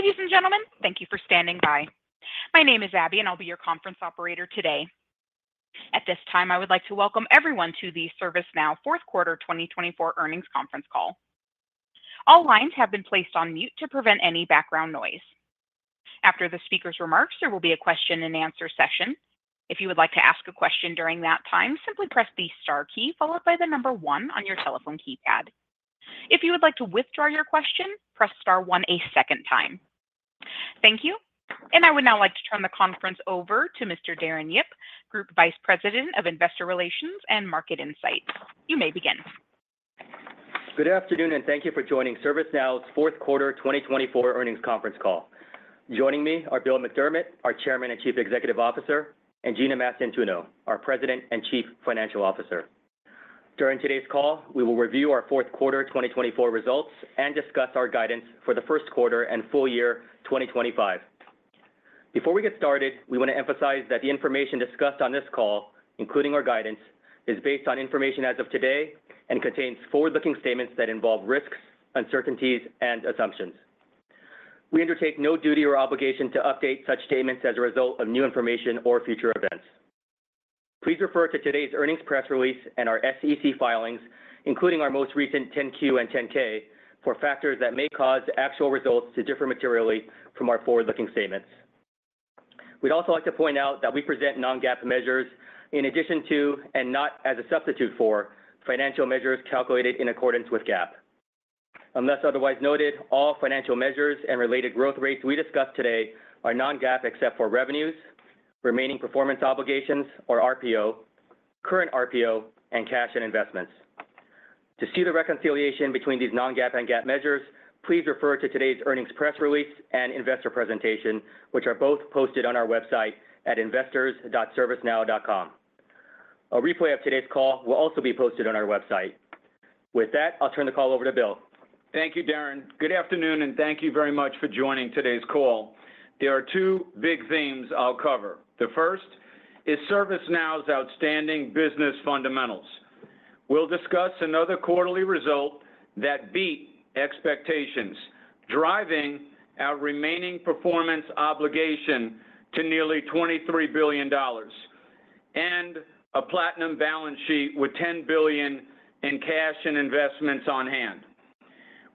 Ladies and gentlemen, thank you for standing by. My name is Abby, and I'll be your conference operator today. At this time, I would like to welcome everyone to the ServiceNow fourth quarter 2024 earnings conference call. All lines have been placed on mute to prevent any background noise. After the speaker's remarks, there will be a question-and-answer session. If you would like to ask a question during that time, simply press the star key followed by the number one on your telephone keypad. If you would like to withdraw your question, press star one a second time. Thank you, and I would now like to turn the conference over to Mr. Darren Yip, Group Vice President of Investor Relations and Market Insight. You may begin. Good afternoon, and thank you for joining ServiceNow's fourth quarter 2024 earnings conference call. Joining me are Bill McDermott, our Chairman and Chief Executive Officer, and Gina Mastantuono, our President and Chief Financial Officer. During today's call, we will review our fourth quarter 2024 results and discuss our guidance for the first quarter and full year 2025. Before we get started, we want to emphasize that the information discussed on this call, including our guidance, is based on information as of today and contains forward-looking statements that involve risks, uncertainties, and assumptions. We undertake no duty or obligation to update such statements as a result of new information or future events. Please refer to today's earnings press release and our SEC filings, including our most recent 10-Q and 10-K, for factors that may cause actual results to differ materially from our forward-looking statements. We'd also like to point out that we present non-GAAP measures in addition to, and not as a substitute for, financial measures calculated in accordance with GAAP. Unless otherwise noted, all financial measures and related growth rates we discuss today are non-GAAP except for revenues, remaining performance obligations, or RPO, current RPO, and cash and investments. To see the reconciliation between these non-GAAP and GAAP measures, please refer to today's earnings press release and investor presentation, which are both posted on our website at investors.servicenow.com. A replay of today's call will also be posted on our website. With that, I'll turn the call over to Bill. Thank you, Darren. Good afternoon, and thank you very much for joining today's call. There are two big themes I'll cover. The first is ServiceNow's outstanding business fundamentals. We'll discuss another quarterly result that beat expectations, driving our remaining performance obligation to nearly $23 billion and a platinum balance sheet with $10 billion in cash and investments on hand.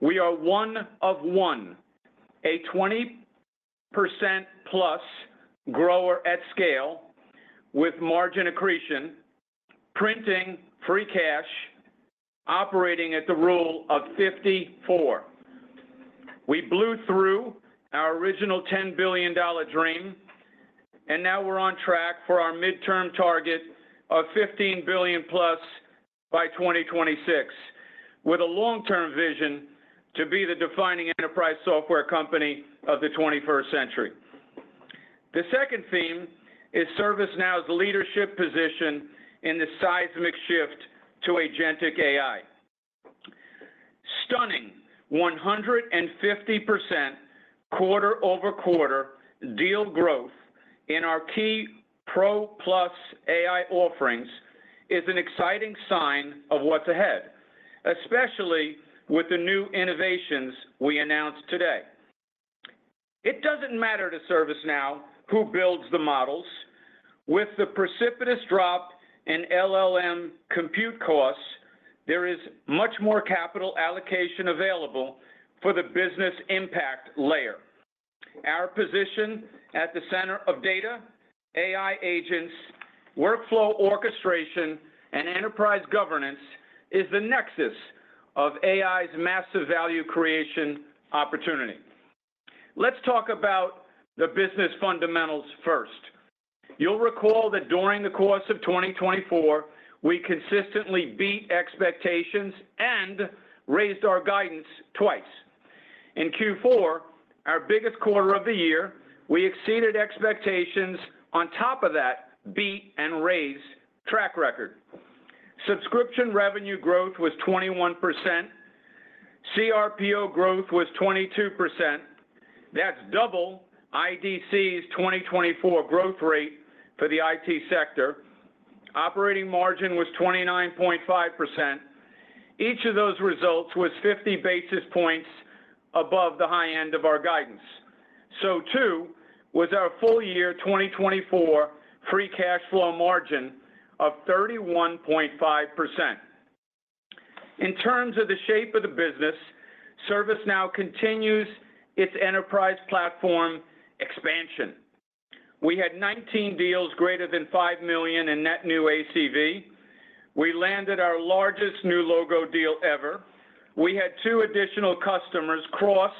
We are one of one, a 20% plus grower at scale with margin accretion, printing free cash, operating at the Rule of 50 plus. We blew through our original $10 billion dream, and now we're on track for our midterm target of $15 billion plus by 2026, with a long-term vision to be the defining enterprise software company of the 21st century. The second theme is ServiceNow's leadership position in the seismic shift to agentic AI. Stunning 150% quarter-over-quarter deal growth in our key Pro Plus AI offerings is an exciting sign of what's ahead, especially with the new innovations we announced today. It doesn't matter to ServiceNow who builds the models. With the precipitous drop in LLM compute costs, there is much more capital allocation available for the business impact layer. Our position at the center of data, AI agents, workflow orchestration, and enterprise governance is the nexus of AI's massive value creation opportunity. Let's talk about the business fundamentals first. You'll recall that during the course of 2024, we consistently beat expectations and raised our guidance twice. In Q4, our biggest quarter of the year, we exceeded expectations on top of that beat and raised track record. Subscription revenue growth was 21%. CRPO growth was 22%. That's double IDC's 2024 growth rate for the IT sector. Operating margin was 29.5%. Each of those results was 50 basis points above the high end of our guidance. So too was our full year 2024 free cash flow margin of 31.5%. In terms of the shape of the business, ServiceNow continues its enterprise platform expansion. We had 19 deals greater than $5 million in net new ACV. We landed our largest new logo deal ever. We had two additional customers cross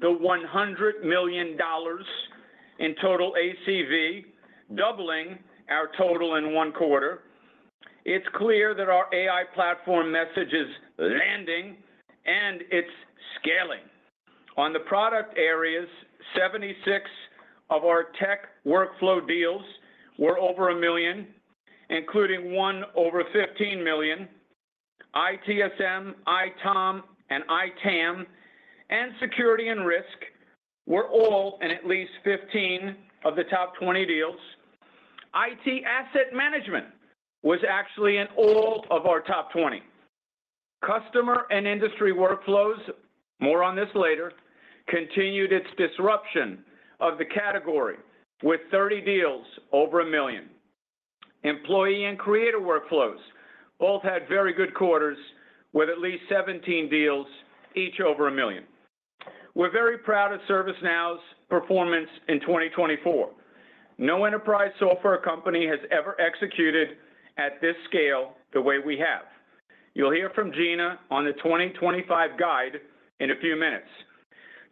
the $100 million in total ACV, doubling our total in one quarter. It's clear that our AI platform message is landing and it's scaling. On the product areas, 76 of our Tech Workflow deals were over $1 million, including one over $15 million. ITSM, ITOM, and ITAM, and security and risk were all in at least 15 of the top 20 deals. IT asset management was actually in all of our top 20. Customer and Industry Workflows, more on this later, continued its disruption of the category with 30 deals over a million. Employee and Creator Workflows both had very good quarters with at least 17 deals each over a million. We're very proud of ServiceNow's performance in 2024. No enterprise software company has ever executed at this scale the way we have. You'll hear from Gina on the 2025 guide in a few minutes.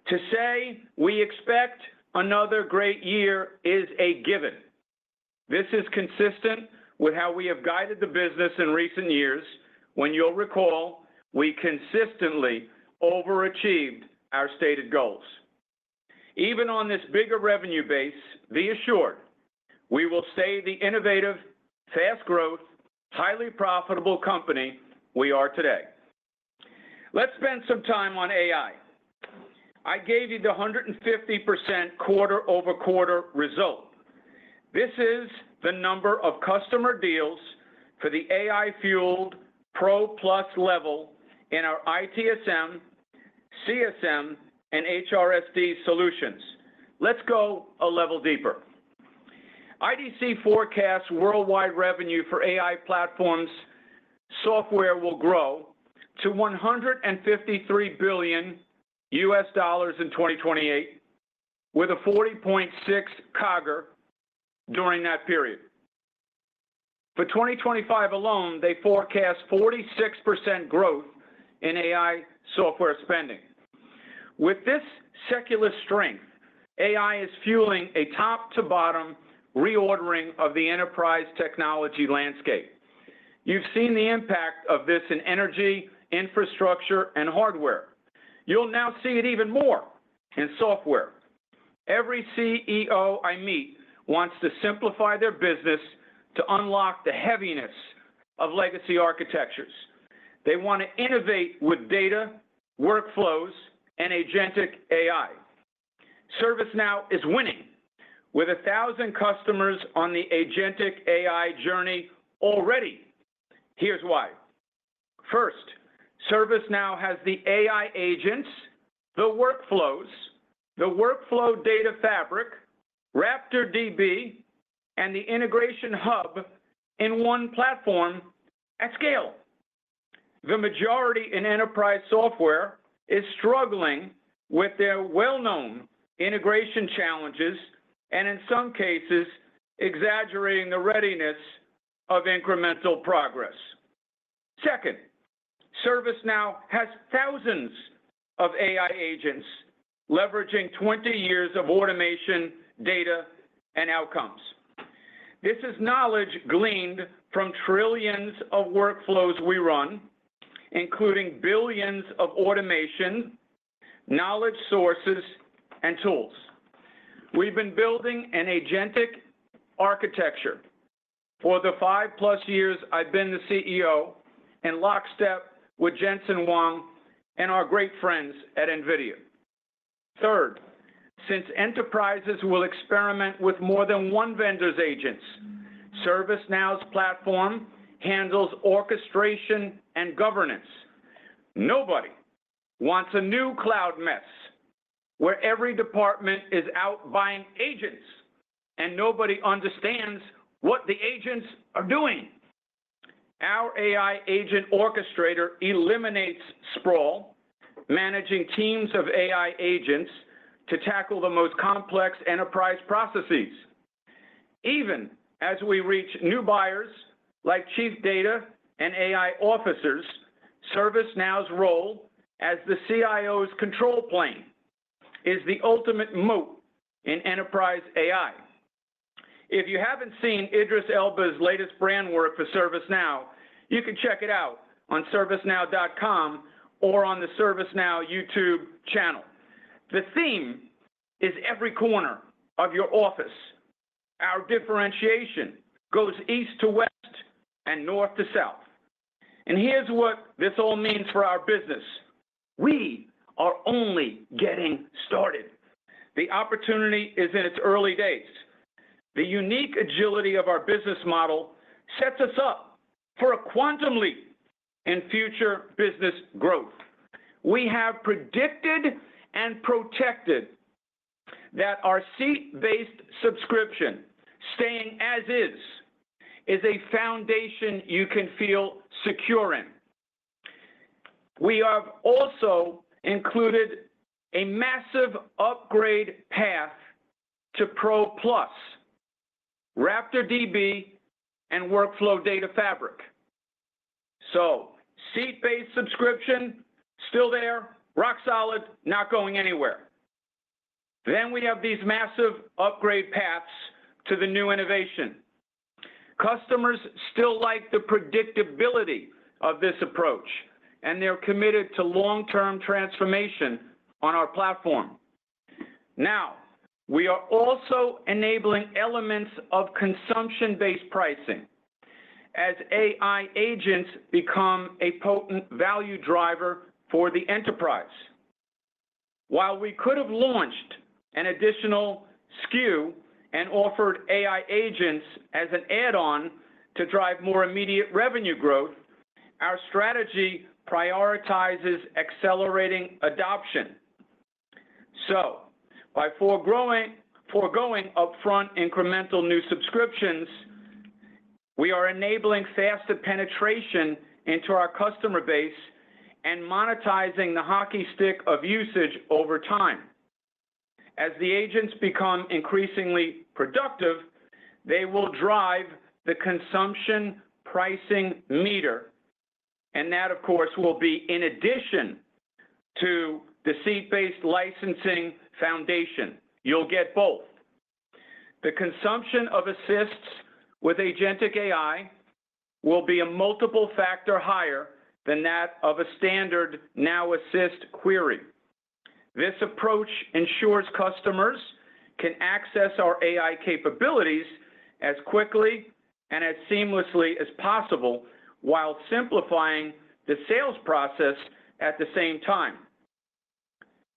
To say we expect another great year is a given. This is consistent with how we have guided the business in recent years, when you'll recall we consistently overachieved our stated goals. Even on this bigger revenue base, be assured we will stay the innovative, fast-growth, highly profitable company we are today. Let's spend some time on AI. I gave you the 150% quarter-over-quarter result. This is the number of customer deals for the AI-fueled Pro Plus level in our ITSM, CSM, and HRSD solutions. Let's go a level deeper. IDC forecasts worldwide revenue for AI platforms software will grow to $153 billion in 2028, with a 40.6% CAGR during that period. For 2025 alone, they forecast 46% growth in AI software spending. With this secular strength, AI is fueling a top-to-bottom reordering of the enterprise technology landscape. You've seen the impact of this in energy, infrastructure, and hardware. You'll now see it even more in software. Every CEO I meet wants to simplify their business to unlock the heaviness of legacy architectures. They want to innovate with data, workflows, and agentic AI. ServiceNow is winning with 1,000 customers on the agentic AI journey already. Here's why. First, ServiceNow has the AI agents, the workflows, the Workflow Data Fabric, RaptorDB, and the integration hub in one platform at scale. The majority in enterprise software is struggling with their well-known integration challenges and, in some cases, exaggerating the readiness of incremental progress. Second, ServiceNow has thousands of AI agents leveraging 20 years of automation, data, and outcomes. This is knowledge gleaned from trillions of workflows we run, including billions of automation, knowledge sources, and tools. We've been building an agentic architecture for the five-plus years I've been the CEO, in lockstep with Jensen Huang and our great friends at NVIDIA. Third, since enterprises will experiment with more than one vendor's agents, ServiceNow's platform handles orchestration and governance. Nobody wants a new cloud mess where every department is out buying agents and nobody understands what the agents are doing. Our AI agent orchestrator eliminates sprawl, managing teams of AI agents to tackle the most complex enterprise processes. Even as we reach new buyers like chief data and AI officers, ServiceNow's role as the CIO's control plane is the ultimate moat in enterprise AI. If you haven't seen Idris Elba's latest brand work for ServiceNow, you can check it out on servicenow.com or on the ServiceNow YouTube channel. The theme is every corner of your office. Our differentiation goes east to west and north to south, and here's what this all means for our business. We are only getting started. The opportunity is in its early days. The unique agility of our business model sets us up for a quantum leap in future business growth. We have predicted and protected that our seat-based subscription, staying as is, is a foundation you can feel secure in. We have also included a massive upgrade path to Pro Plus, RaptorDB, and Workflow Data Fabric, so seat-based subscription, still there, rock solid, not going anywhere, then we have these massive upgrade paths to the new innovation. Customers still like the predictability of this approach, and they're committed to long-term transformation on our platform. Now, we are also enabling elements of consumption-based pricing as AI agents become a potent value driver for the enterprise. While we could have launched an additional SKU and offered AI agents as an add-on to drive more immediate revenue growth, our strategy prioritizes accelerating adoption, so by foregoing upfront incremental new subscriptions, we are enabling faster penetration into our customer base and monetizing the hockey stick of usage over time. As the agents become increasingly productive, they will drive the consumption pricing meter. That, of course, will be in addition to the seat-based licensing foundation. You'll get both. The consumption of Now Assist with agentic AI will be a multiple factor higher than that of a standard Now Assist query. This approach ensures customers can access our AI capabilities as quickly and as seamlessly as possible while simplifying the sales process at the same time.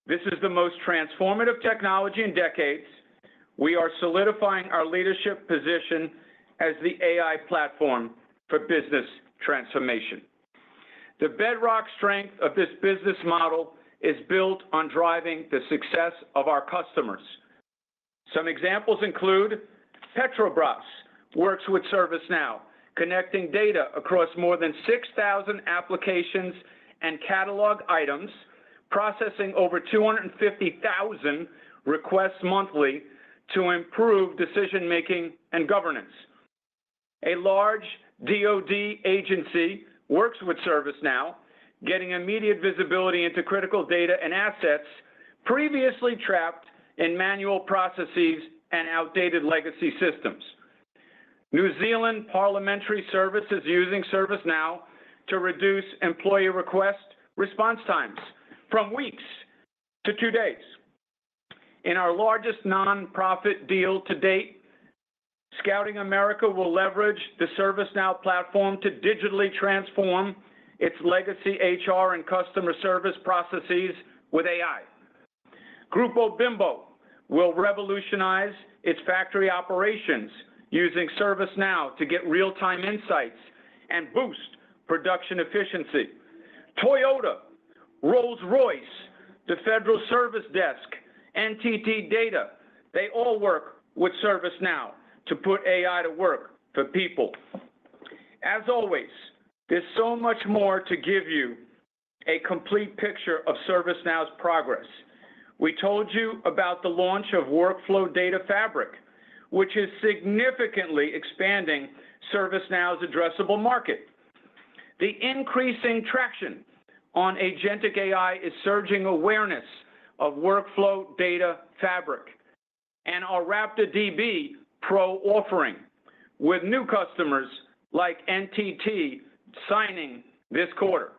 This is the most transformative technology in decades. We are solidifying our leadership position as the AI platform for business transformation. The bedrock strength of this business model is built on driving the success of our customers. Some examples include Petrobras, which works with ServiceNow, connecting data across more than 6,000 applications and catalog items, processing over 250,000 requests monthly to improve decision-making and governance. A large DoD agency works with ServiceNow, getting immediate visibility into critical data and assets previously trapped in manual processes and outdated legacy systems. New Zealand Parliamentary Service is using ServiceNow to reduce employee request response times from weeks to two days. In our largest nonprofit deal to date, Scouting America will leverage the ServiceNow platform to digitally transform its legacy HR and customer service processes with AI. Grupo Bimbo will revolutionize its factory operations using ServiceNow to get real-time insights and boost production efficiency. Toyota, Rolls-Royce, the Federal Service Desk, NTT Data, they all work with ServiceNow to put AI to work for people. As always, there's so much more to give you a complete picture of ServiceNow's progress. We told you about the launch of Workflow Data Fabric, which is significantly expanding ServiceNow's addressable market. The increasing traction on agentic AI is surging awareness of workflow data fabric and our RaptorDB Pro offering with new customers like NTT signing this quarter.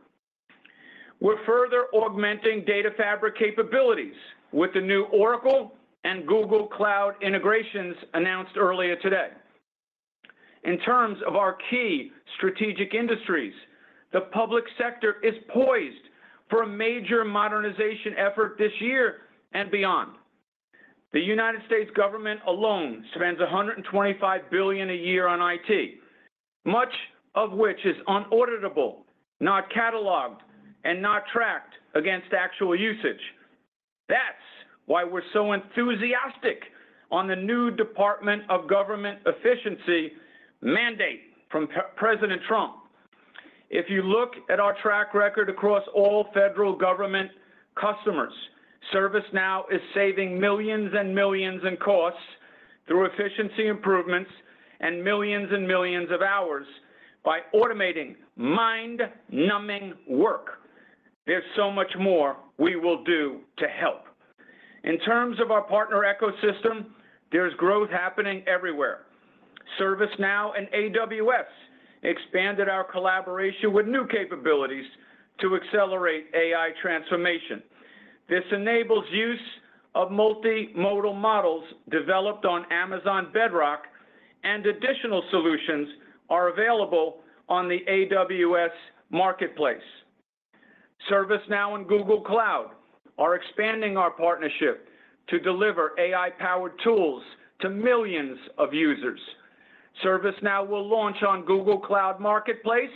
We're further augmenting data fabric capabilities with the new Oracle and Google Cloud integrations announced earlier today. In terms of our key strategic industries, the public sector is poised for a major modernization effort this year and beyond. The United States government alone spends $125 billion a year on IT, much of which is unauditable, not cataloged, and not tracked against actual usage. That's why we're so enthusiastic on the new Department of Government Efficiency mandate from President Trump. If you look at our track record across all federal government customers, ServiceNow is saving millions and millions in costs through efficiency improvements and millions and millions of hours by automating mind-numbing work. There's so much more we will do to help. In terms of our partner ecosystem, there's growth happening everywhere. ServiceNow and AWS expanded our collaboration with new capabilities to accelerate AI transformation. This enables use of multimodal models developed on Amazon Bedrock, and additional solutions are available on the AWS Marketplace. ServiceNow and Google Cloud are expanding our partnership to deliver AI-powered tools to millions of users. ServiceNow will launch on Google Cloud Marketplace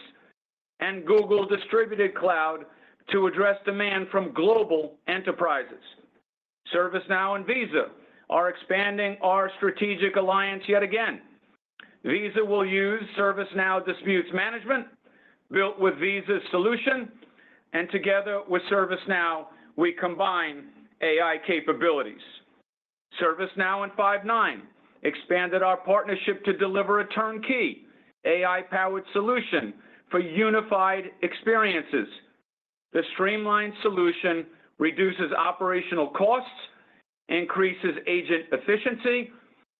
and Google Distributed Cloud to address demand from global enterprises. ServiceNow and Visa are expanding our strategic alliance yet again. Visa will use ServiceNow Dispute Management built with Visa's solution, and together with ServiceNow, we combine AI capabilities. ServiceNow and Five9 expanded our partnership to deliver a turnkey AI-powered solution for unified experiences. The streamlined solution reduces operational costs, increases agent efficiency,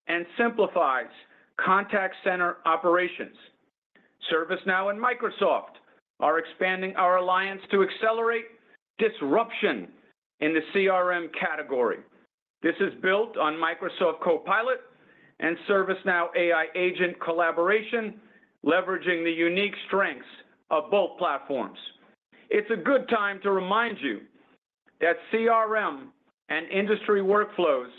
and simplifies contact center operations. ServiceNow and Microsoft are expanding our alliance to accelerate disruption in the CRM category. This is built on Microsoft Copilot and ServiceNow AI agent collaboration, leveraging the unique strengths of both platforms. It's a good time to remind you that CRM and Industry Workflows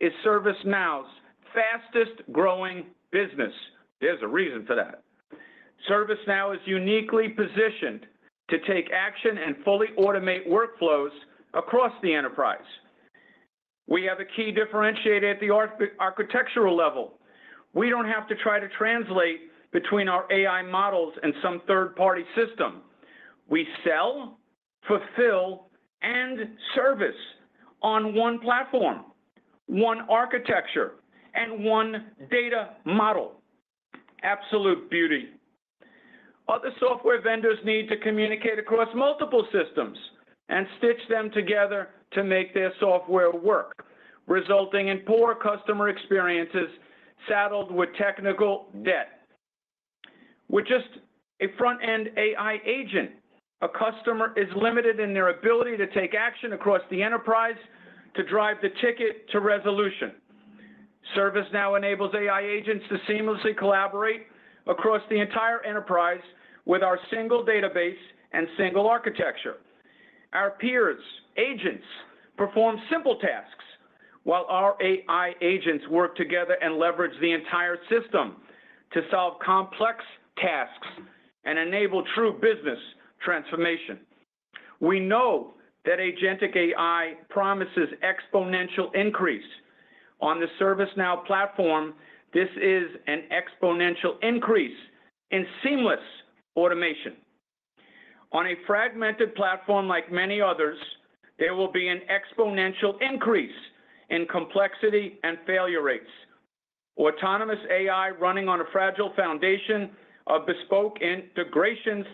is ServiceNow's fastest-growing business. There's a reason for that. ServiceNow is uniquely positioned to take action and fully automate workflows across the enterprise. We have a key differentiator at the architectural level. We don't have to try to translate between our AI models and some third-party system. We sell, fulfill, and service on one platform, one architecture, and one data model. Absolute beauty. Other software vendors need to communicate across multiple systems and stitch them together to make their software work, resulting in poor customer experiences saddled with technical debt. With just a front-end AI agent, a customer is limited in their ability to take action across the enterprise to drive the ticket to resolution. ServiceNow enables AI agents to seamlessly collaborate across the entire enterprise with our single database and single architecture. Our peers' agents perform simple tasks while our AI agents work together and leverage the entire system to solve complex tasks and enable true business transformation. We know that agentic AI promises exponential increase. On the ServiceNow platform, this is an exponential increase in seamless automation. On a fragmented platform like many others, there will be an exponential increase in complexity and failure rates. Autonomous AI running on a fragile foundation of bespoke integrations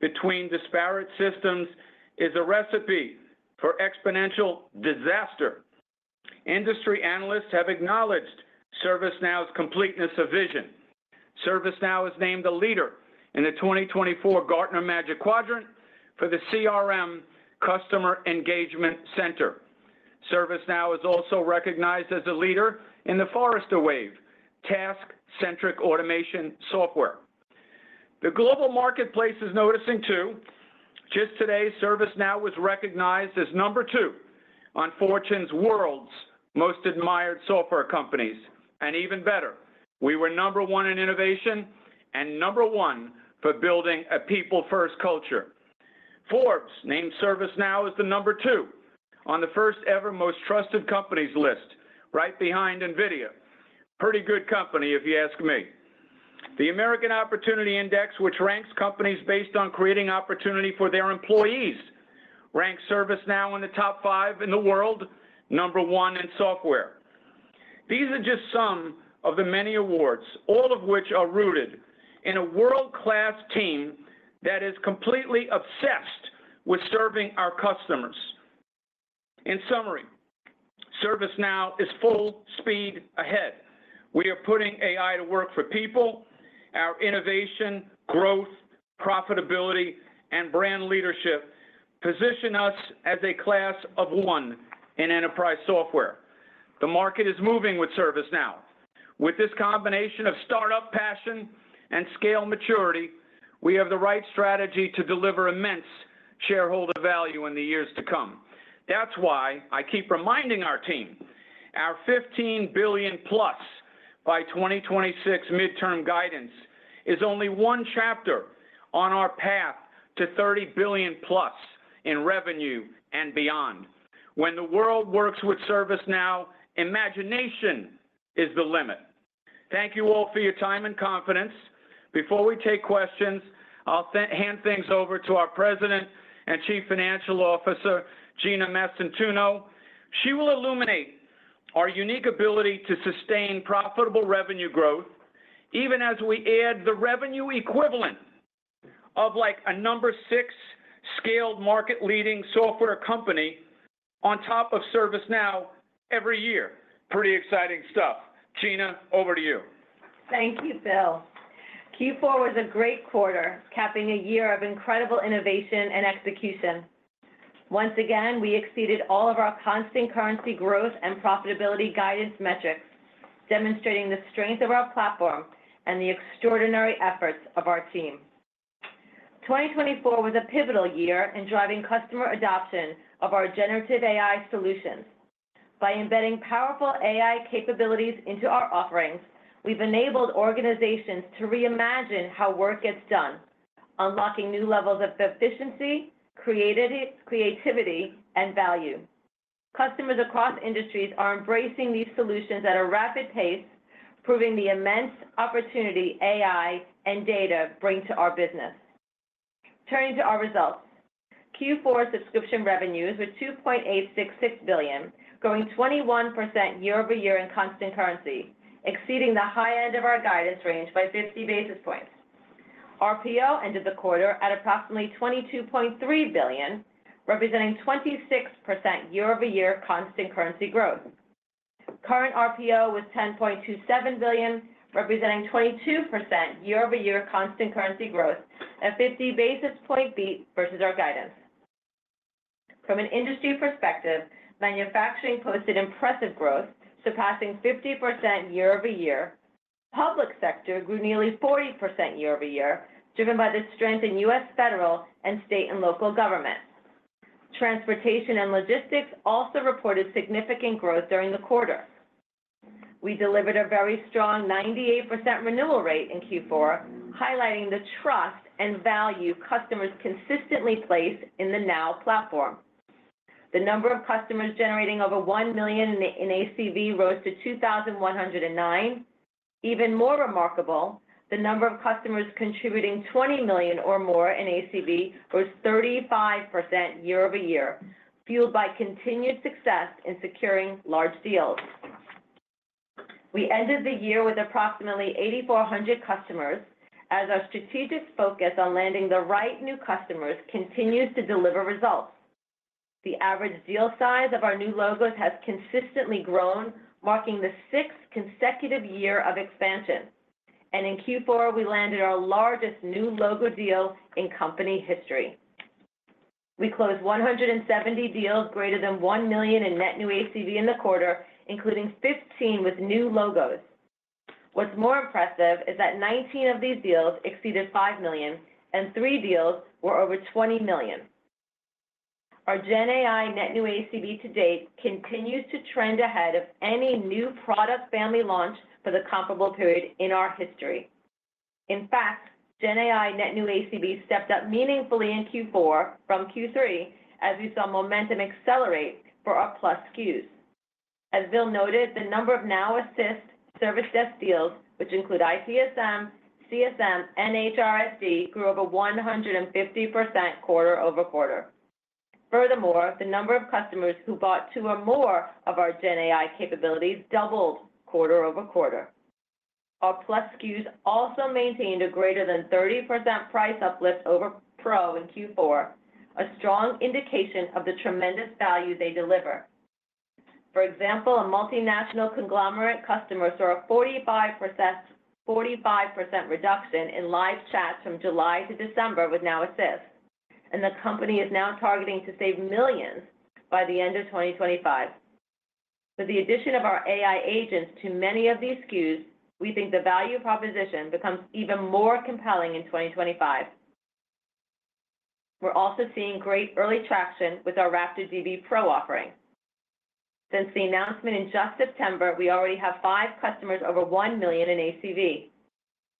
between disparate systems is a recipe for exponential disaster. Industry analysts have acknowledged ServiceNow's completeness of vision. ServiceNow is named a leader in the 2024 Gartner Magic Quadrant for the CRM Customer Engagement Center. ServiceNow is also recognized as a leader in the Forrester Wave task-centric automation software. The global marketplace is noticing too. Just today, ServiceNow was recognized as number two on Fortune's World's Most Admired Software Companies. And even better, we were number one in innovation and number one for building a people-first culture. Forbes named ServiceNow as the number two on the first-ever Most Trusted Companies list, right behind NVIDIA. Pretty good company, if you ask me. The American Opportunity Index, which ranks companies based on creating opportunity for their employees, ranks ServiceNow in the top five in the world, number one in software. These are just some of the many awards, all of which are rooted in a world-class team that is completely obsessed with serving our customers. In summary, ServiceNow is full speed ahead. We are putting AI to work for people. Our innovation, growth, profitability, and brand leadership position us as a class of one in enterprise software. The market is moving with ServiceNow. With this combination of startup passion and scale maturity, we have the right strategy to deliver immense shareholder value in the years to come. That's why I keep reminding our team, our 15 billion plus by 2026 midterm guidance is only one chapter on our path to 30 billion plus in revenue and beyond. When the world works with ServiceNow, imagination is the limit. Thank you all for your time and confidence. Before we take questions, I'll hand things over to our President and Chief Financial Officer, Gina Mastantuono. She will illuminate our unique ability to sustain profitable revenue growth, even as we add the revenue equivalent of like a number six scaled market-leading software company on top of ServiceNow every year. Pretty exciting stuff. Gina, over to you. Thank you, Bill. Q4 was a great quarter, capping a year of incredible innovation and execution. Once again, we exceeded all of our constant currency growth and profitability guidance metrics, demonstrating the strength of our platform and the extraordinary efforts of our team. 2024 was a pivotal year in driving customer adoption of our generative AI solutions. By embedding powerful AI capabilities into our offerings, we've enabled organizations to reimagine how work gets done, unlocking new levels of efficiency, creativity, and value. Customers across industries are embracing these solutions at a rapid pace, proving the immense opportunity AI and data bring to our business. Turning to our results, Q4 subscription revenues were $2.866 billion, growing 21% year-over-year in constant currency, exceeding the high end of our guidance range by 50 basis points. RPO ended the quarter at approximately $22.3 billion, representing 26% year-over-year constant currency growth. Current RPO was $10.27 billion, representing 22% year-over-year constant currency growth, a 50 basis points beat versus our guidance. From an industry perspective, manufacturing posted impressive growth, surpassing 50% year-over-year. Public sector grew nearly 40% year-over-year, driven by the strength in U.S. federal and state and local governments. Transportation and logistics also reported significant growth during the quarter. We delivered a very strong 98% renewal rate in Q4, highlighting the trust and value customers consistently place in the Now platform. The number of customers generating over $1 million in ACV rose to 2,109. Even more remarkable, the number of customers contributing $20 million or more in ACV rose 35% year-over-year, fueled by continued success in securing large deals. We ended the year with approximately 8,400 customers as our strategic focus on landing the right new customers continues to deliver results. The average deal size of our new logos has consistently grown, marking the sixth consecutive year of expansion, and in Q4, we landed our largest new logo deal in company history. We closed 170 deals greater than $1 million in net new ACV in the quarter, including 15 with new logos. What's more impressive is that 19 of these deals exceeded $5 million, and three deals were over $20 million. Our GenAI net new ACV to date continues to trend ahead of any new product family launch for the comparable period in our history. In fact, GenAI net new ACV stepped up meaningfully in Q4 from Q3, as we saw momentum accelerate for our Plus SKUs. As Bill noted, the number of Now Assist service desk deals, which include ITSM, CSM, and HRSD, grew over 150% quarter-over-quarter. Furthermore, the number of customers who bought two or more of our GenAI capabilities doubled quarter-over-quarter. Our Plus SKUs also maintained a greater than 30% price uplift over Pro in Q4, a strong indication of the tremendous value they deliver. For example, a multinational conglomerate customer saw a 45% reduction in live chats from July to December with Now Assist, and the company is now targeting to save millions by the end of 2025. With the addition of our AI agents to many of these SKUs, we think the value proposition becomes even more compelling in 2025. We're also seeing great early traction with our RaptorDB Pro offering. Since the announcement in just September, we already have five customers over $1 million in ACV.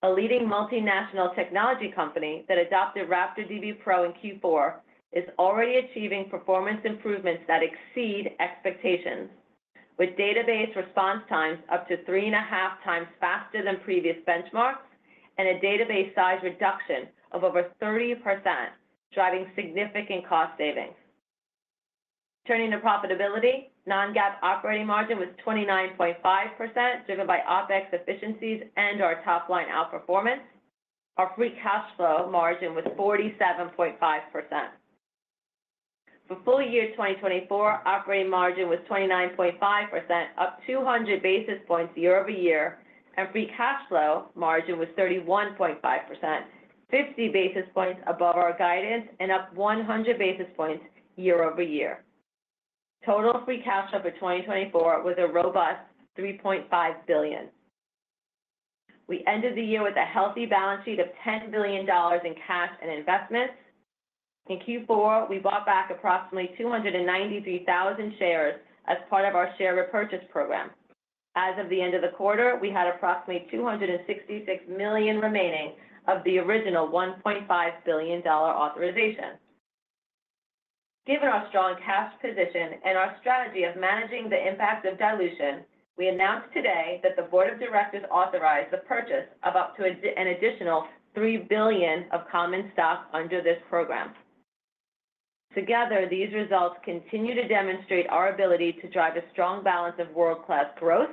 A leading multinational technology company that adopted RaptorDB Pro in Q4 is already achieving performance improvements that exceed expectations, with database response times up to three and a half times faster than previous benchmarks and a database size reduction of over 30%, driving significant cost savings. Turning to profitability, non-GAAP operating margin was 29.5%, driven by OPEX efficiencies and our top-line outperformance. Our free cash flow margin was 47.5%. For full year 2024, operating margin was 29.5%, up 200 basis points year-over-year, and free cash flow margin was 31.5%, 50 basis points above our guidance and up 100 basis points year-over-year. Total free cash over 2024 was a robust $3.5 billion. We ended the year with a healthy balance sheet of $10 billion in cash and investments. In Q4, we bought back approximately 293,000 shares as part of our share repurchase program. As of the end of the quarter, we had approximately $266 million remaining of the original $1.5 billion authorization. Given our strong cash position and our strategy of managing the impact of dilution, we announced today that the board of directors authorized the purchase of up to an additional $3 billion of common stock under this program. Together, these results continue to demonstrate our ability to drive a strong balance of world-class growth,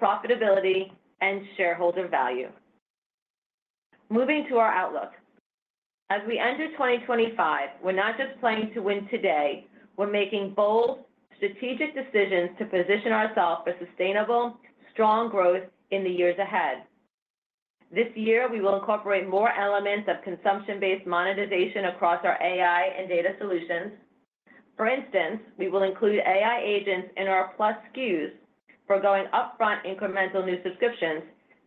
profitability, and shareholder value. Moving to our outlook. As we enter 2025, we're not just playing to win today. We're making bold, strategic decisions to position ourselves for sustainable, strong growth in the years ahead. This year, we will incorporate more elements of consumption-based monetization across our AI and data solutions. For instance, we will include AI agents in our plus SKUs for going upfront incremental new subscriptions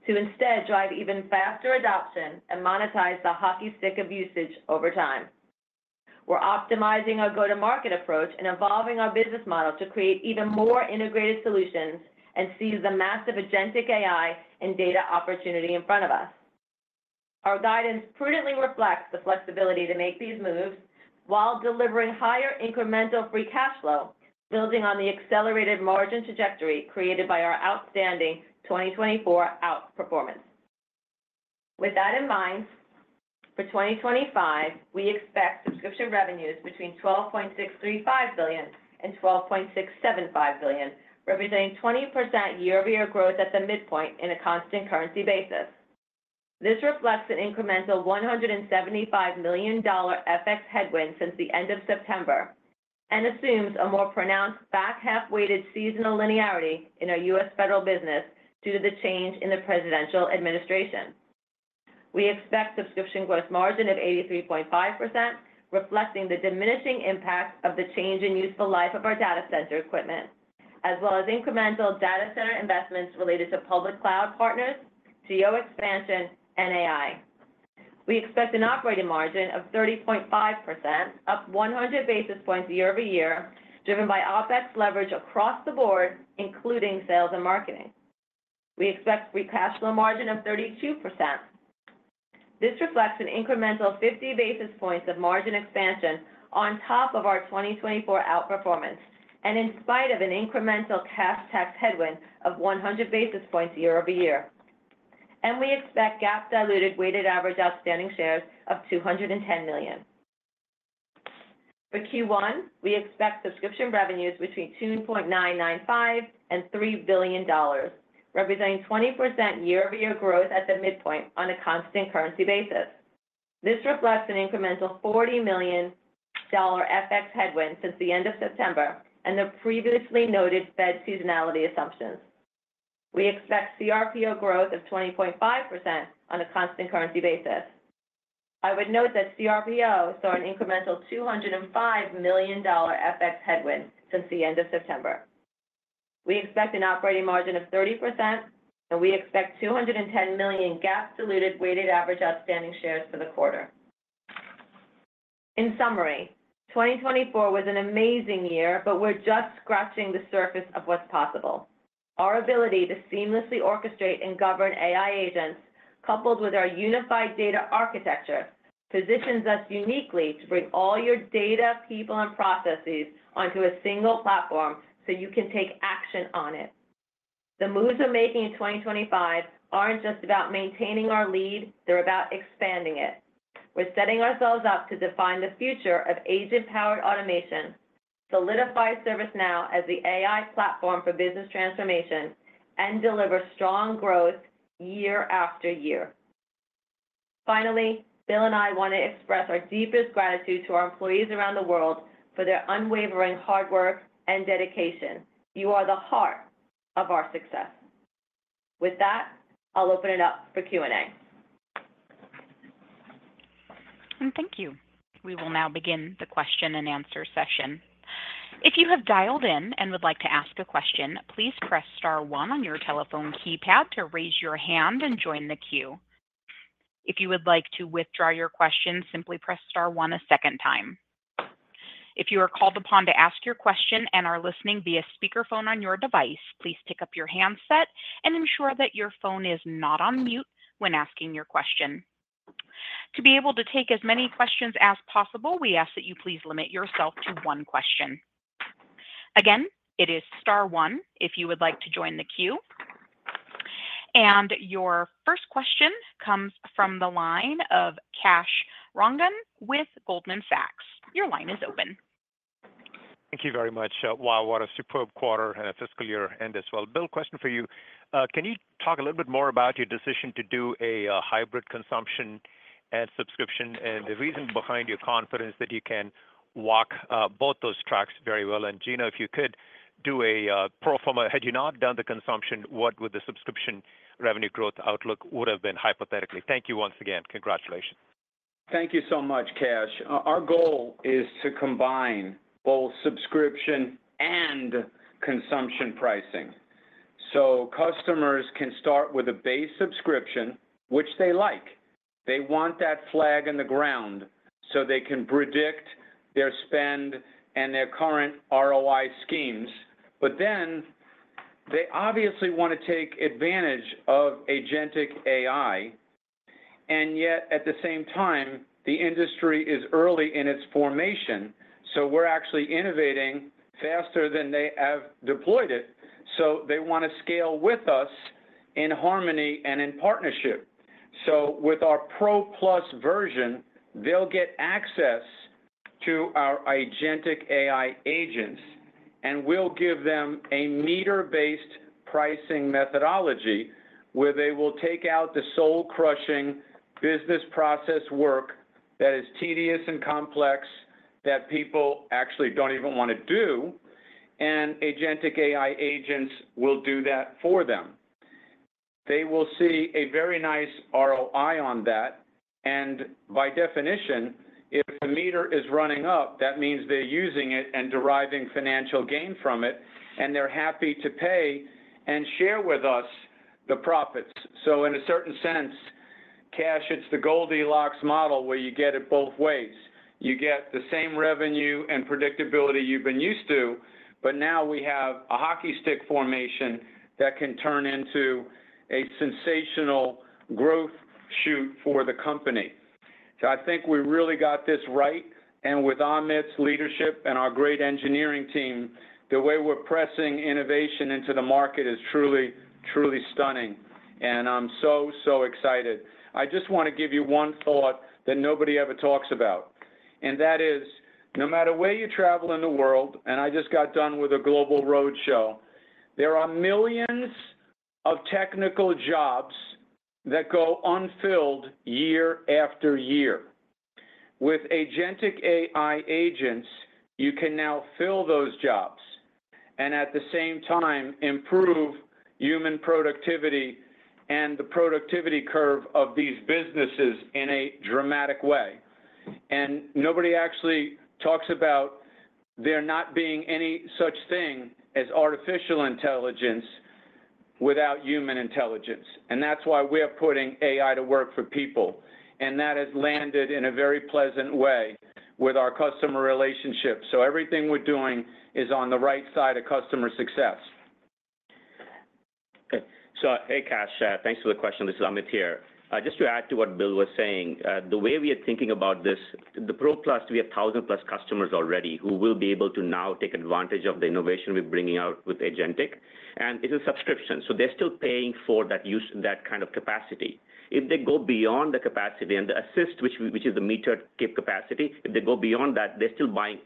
to instead drive even faster adoption and monetize the hockey stick of usage over time. We're optimizing our go-to-market approach and evolving our business model to create even more integrated solutions and seize the massive agentic AI and data opportunity in front of us. Our guidance prudently reflects the flexibility to make these moves while delivering higher incremental free cash flow, building on the accelerated margin trajectory created by our outstanding 2024 outperformance. With that in mind, for 2025, we expect subscription revenues between $12.635 billion and $12.675 billion, representing 20% year-over-year growth at the midpoint in a constant currency basis. This reflects an incremental $175 million FX headwind since the end of September and assumes a more pronounced back-half-weighted seasonal linearity in our U.S. federal business due to the change in the presidential administration. We expect subscription growth margin of 83.5%, reflecting the diminishing impact of the change in useful life of our data center equipment, as well as incremental data center investments related to public cloud partners, geo-expansion, and AI. We expect an operating margin of 30.5%, up 100 basis points year-over-year, driven by OpEx leverage across the board, including sales and marketing. We expect free cash flow margin of 32%. This reflects an incremental 50 basis points of margin expansion on top of our 2024 outperformance and in spite of an incremental cash tax headwind of 100 basis points year-over-year. And we expect GAAP-diluted weighted-average outstanding shares of 210 million. For Q1, we expect subscription revenues between $2.995 billion and $3 billion, representing 20% year-over-year growth at the midpoint on a constant currency basis. This reflects an incremental $40 million FX headwind since the end of September and the previously noted Fed seasonality assumptions. We expect CRPO growth of 20.5% on a constant currency basis. I would note that CRPO saw an incremental $205 million FX headwind since the end of September. We expect an operating margin of 30%, and we expect 210 million GAAP-diluted weighted average outstanding shares for the quarter. In summary, 2024 was an amazing year, but we're just scratching the surface of what's possible. Our ability to seamlessly orchestrate and govern AI agents, coupled with our unified data architecture, positions us uniquely to bring all your data, people, and processes onto a single platform so you can take action on it. The moves we're making in 2025 aren't just about maintaining our lead, they're about expanding it. We're setting ourselves up to define the future of agent-powered automation, solidify ServiceNow as the AI platform for business transformation, and deliver strong growth year after year. Finally, Bill and I want to express our deepest gratitude to our employees around the world for their unwavering hard work and dedication. You are the heart of our success. With that, I'll open it up for Q&A. Thank you. We will now begin the question and answer session. If you have dialed in and would like to ask a question, please press star one on your telephone keypad to raise your hand and join the queue. If you would like to withdraw your question, simply press star one a second time. If you are called upon to ask your question and are listening via speakerphone on your device, please pick up your handset and ensure that your phone is not on mute when asking your question. To be able to take as many questions as possible, we ask that you please limit yourself to one question. Again, it is star one if you would like to join the queue. And your first question comes from the line of Kash Rangan with Goldman Sachs. Your line is open. Thank you very much. Wow, what a superb quarter and a fiscal year end as well. Bill, question for you. Can you talk a little bit more about your decision to do a hybrid consumption and subscription and the reason behind your confidence that you can walk both those tracks very well? And Gina, if you could do a pro forma: had you not done the consumption, what would the subscription revenue growth outlook have been hypothetically? Thank you once again. Congratulations. Thank you so much, Kash. Our goal is to combine both subscription and consumption pricing so customers can start with a base subscription, which they like. They want that flag in the ground so they can predict their spend and their current ROI schemes. But then they obviously want to take advantage of agentic AI. And yet, at the same time, the industry is early in its formation, so we're actually innovating faster than they have deployed it. So they want to scale with us in harmony and in partnership. So with our Pro Plus version, they'll get access to our agentic AI agents, and we'll give them a meter-based pricing methodology where they will take out the soul-crushing business process work that is tedious and complex that people actually don't even want to do. And agentic AI agents will do that for them. They will see a very nice ROI on that. And by definition, if the meter is running up, that means they're using it and deriving financial gain from it, and they're happy to pay and share with us the profits. So in a certain sense, Kash, it's the Goldilocks model where you get it both ways. You get the same revenue and predictability you've been used to, but now we have a hockey stick formation that can turn into a sensational growth spurt for the company. So I think we really got this right. With Amit's leadership and our great engineering team, the way we're pressing innovation into the market is truly, truly stunning. I'm so, so excited. I just want to give you one thought that nobody ever talks about. That is, no matter where you travel in the world, and I just got done with a global roadshow, there are millions of technical jobs that go unfilled year after year. With agentic AI agents, you can now fill those jobs and at the same time improve human productivity and the productivity curve of these businesses in a dramatic way. Nobody actually talks about there not being any such thing as artificial intelligence without human intelligence. That's why we are putting AI to work for people. That has landed in a very pleasant way with our customer relationship. So everything we're doing is on the right side of customer success. Okay. So, hey, Kash. Thanks for the question. This is Amit here. Just to add to what Bill was saying, the way we are thinking about this, the Pro Plus, we have 1,000-plus customers already who will be able to now take advantage of the innovation we're bringing out with agentic. And it's a subscription, so they're still paying for that kind of capacity. If they go beyond the capacity and the assist, which is the metered cap capacity, if they go beyond that, they're still buying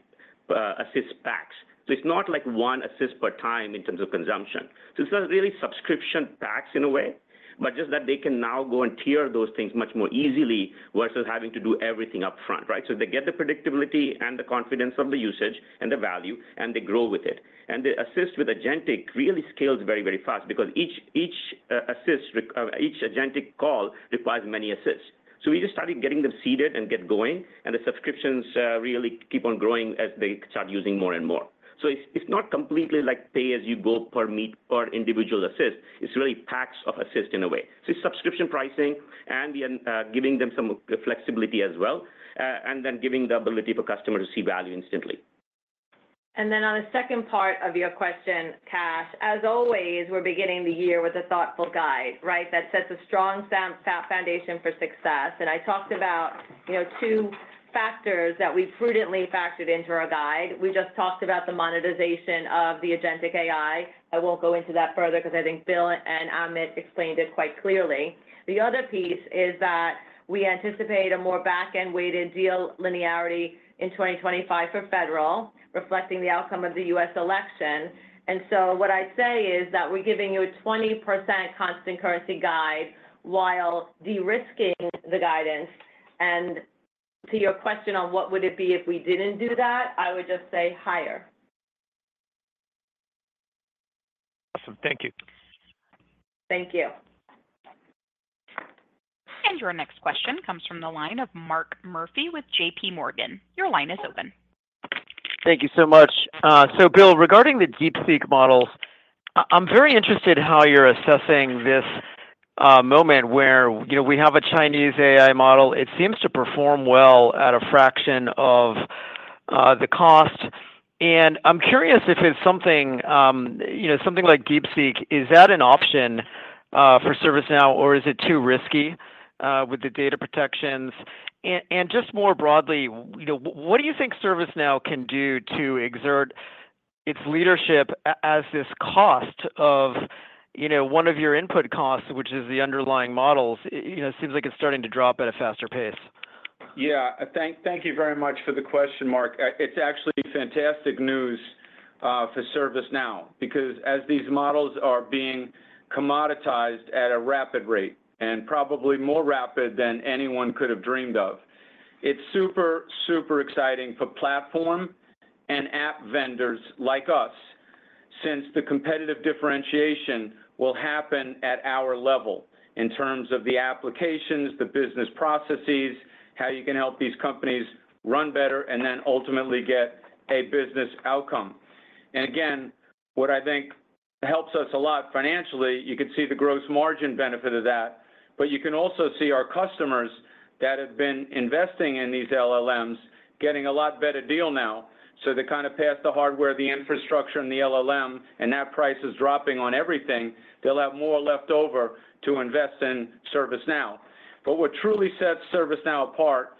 assist packs. So it's not like one assist per time in terms of consumption. So it's not really subscription packs in a way, but just that they can now go and tier those things much more easily versus having to do everything upfront, right? So they get the predictability and the confidence of the usage and the value, and they grow with it. And the assist with agentic really scales very, very fast because each agentic call requires many assists. So we just started getting them seeded and get going, and the subscriptions really keep on growing as they start using more and more. So it's not completely like pay-as-you-go per individual assist. It's really packs of assist in a way. So it's subscription pricing and giving them some flexibility as well, and then giving the ability for customers to see value instantly. And then on the second part of your question, Kash, as always, we're beginning the year with a thoughtful guide, right? That sets a strong foundation for success. And I talked about two factors that we prudently factored into our guide. We just talked about the monetization of the agentic AI. I won't go into that further because I think Bill and Amit explained it quite clearly. The other piece is that we anticipate a more back-end-weighted deal linearity in 2025 for federal, reflecting the outcome of the U.S. election. And so what I'd say is that we're giving you a 20% constant currency guide while de-risking the guidance. And to your question on what would it be if we didn't do that, I would just say higher. Awesome. Thank you. Thank you. And your next question comes from the line of Mark Murphy with JPMorgan. Your line is open. Thank you so much. So, Bill, regarding the DeepSeek models, I'm very interested in how you're assessing this moment where we have a Chinese AI model. It seems to perform well at a fraction of the cost. And I'm curious if it's something like DeepSeek. Is that an option for ServiceNow, or is it too risky with the data protections? And just more broadly, what do you think ServiceNow can do to exert its leadership as this cost of one of your input costs, which is the underlying models? It seems like it's starting to drop at a faster pace. Yeah. Thank you very much for the question, Mark. It's actually fantastic news for ServiceNow because as these models are being commoditized at a rapid rate and probably more rapid than anyone could have dreamed of, it's super, super exciting for platform and app vendors like us since the competitive differentiation will happen at our level in terms of the applications, the business processes, how you can help these companies run better, and then ultimately get a business outcome. And again, what I think helps us a lot financially, you can see the gross margin benefit of that, but you can also see our customers that have been investing in these LLMs getting a lot better deal now. So they kind of pass the hardware, the infrastructure, and the LLM, and that price is dropping on everything. They'll have more left over to invest in ServiceNow. But what truly sets ServiceNow apart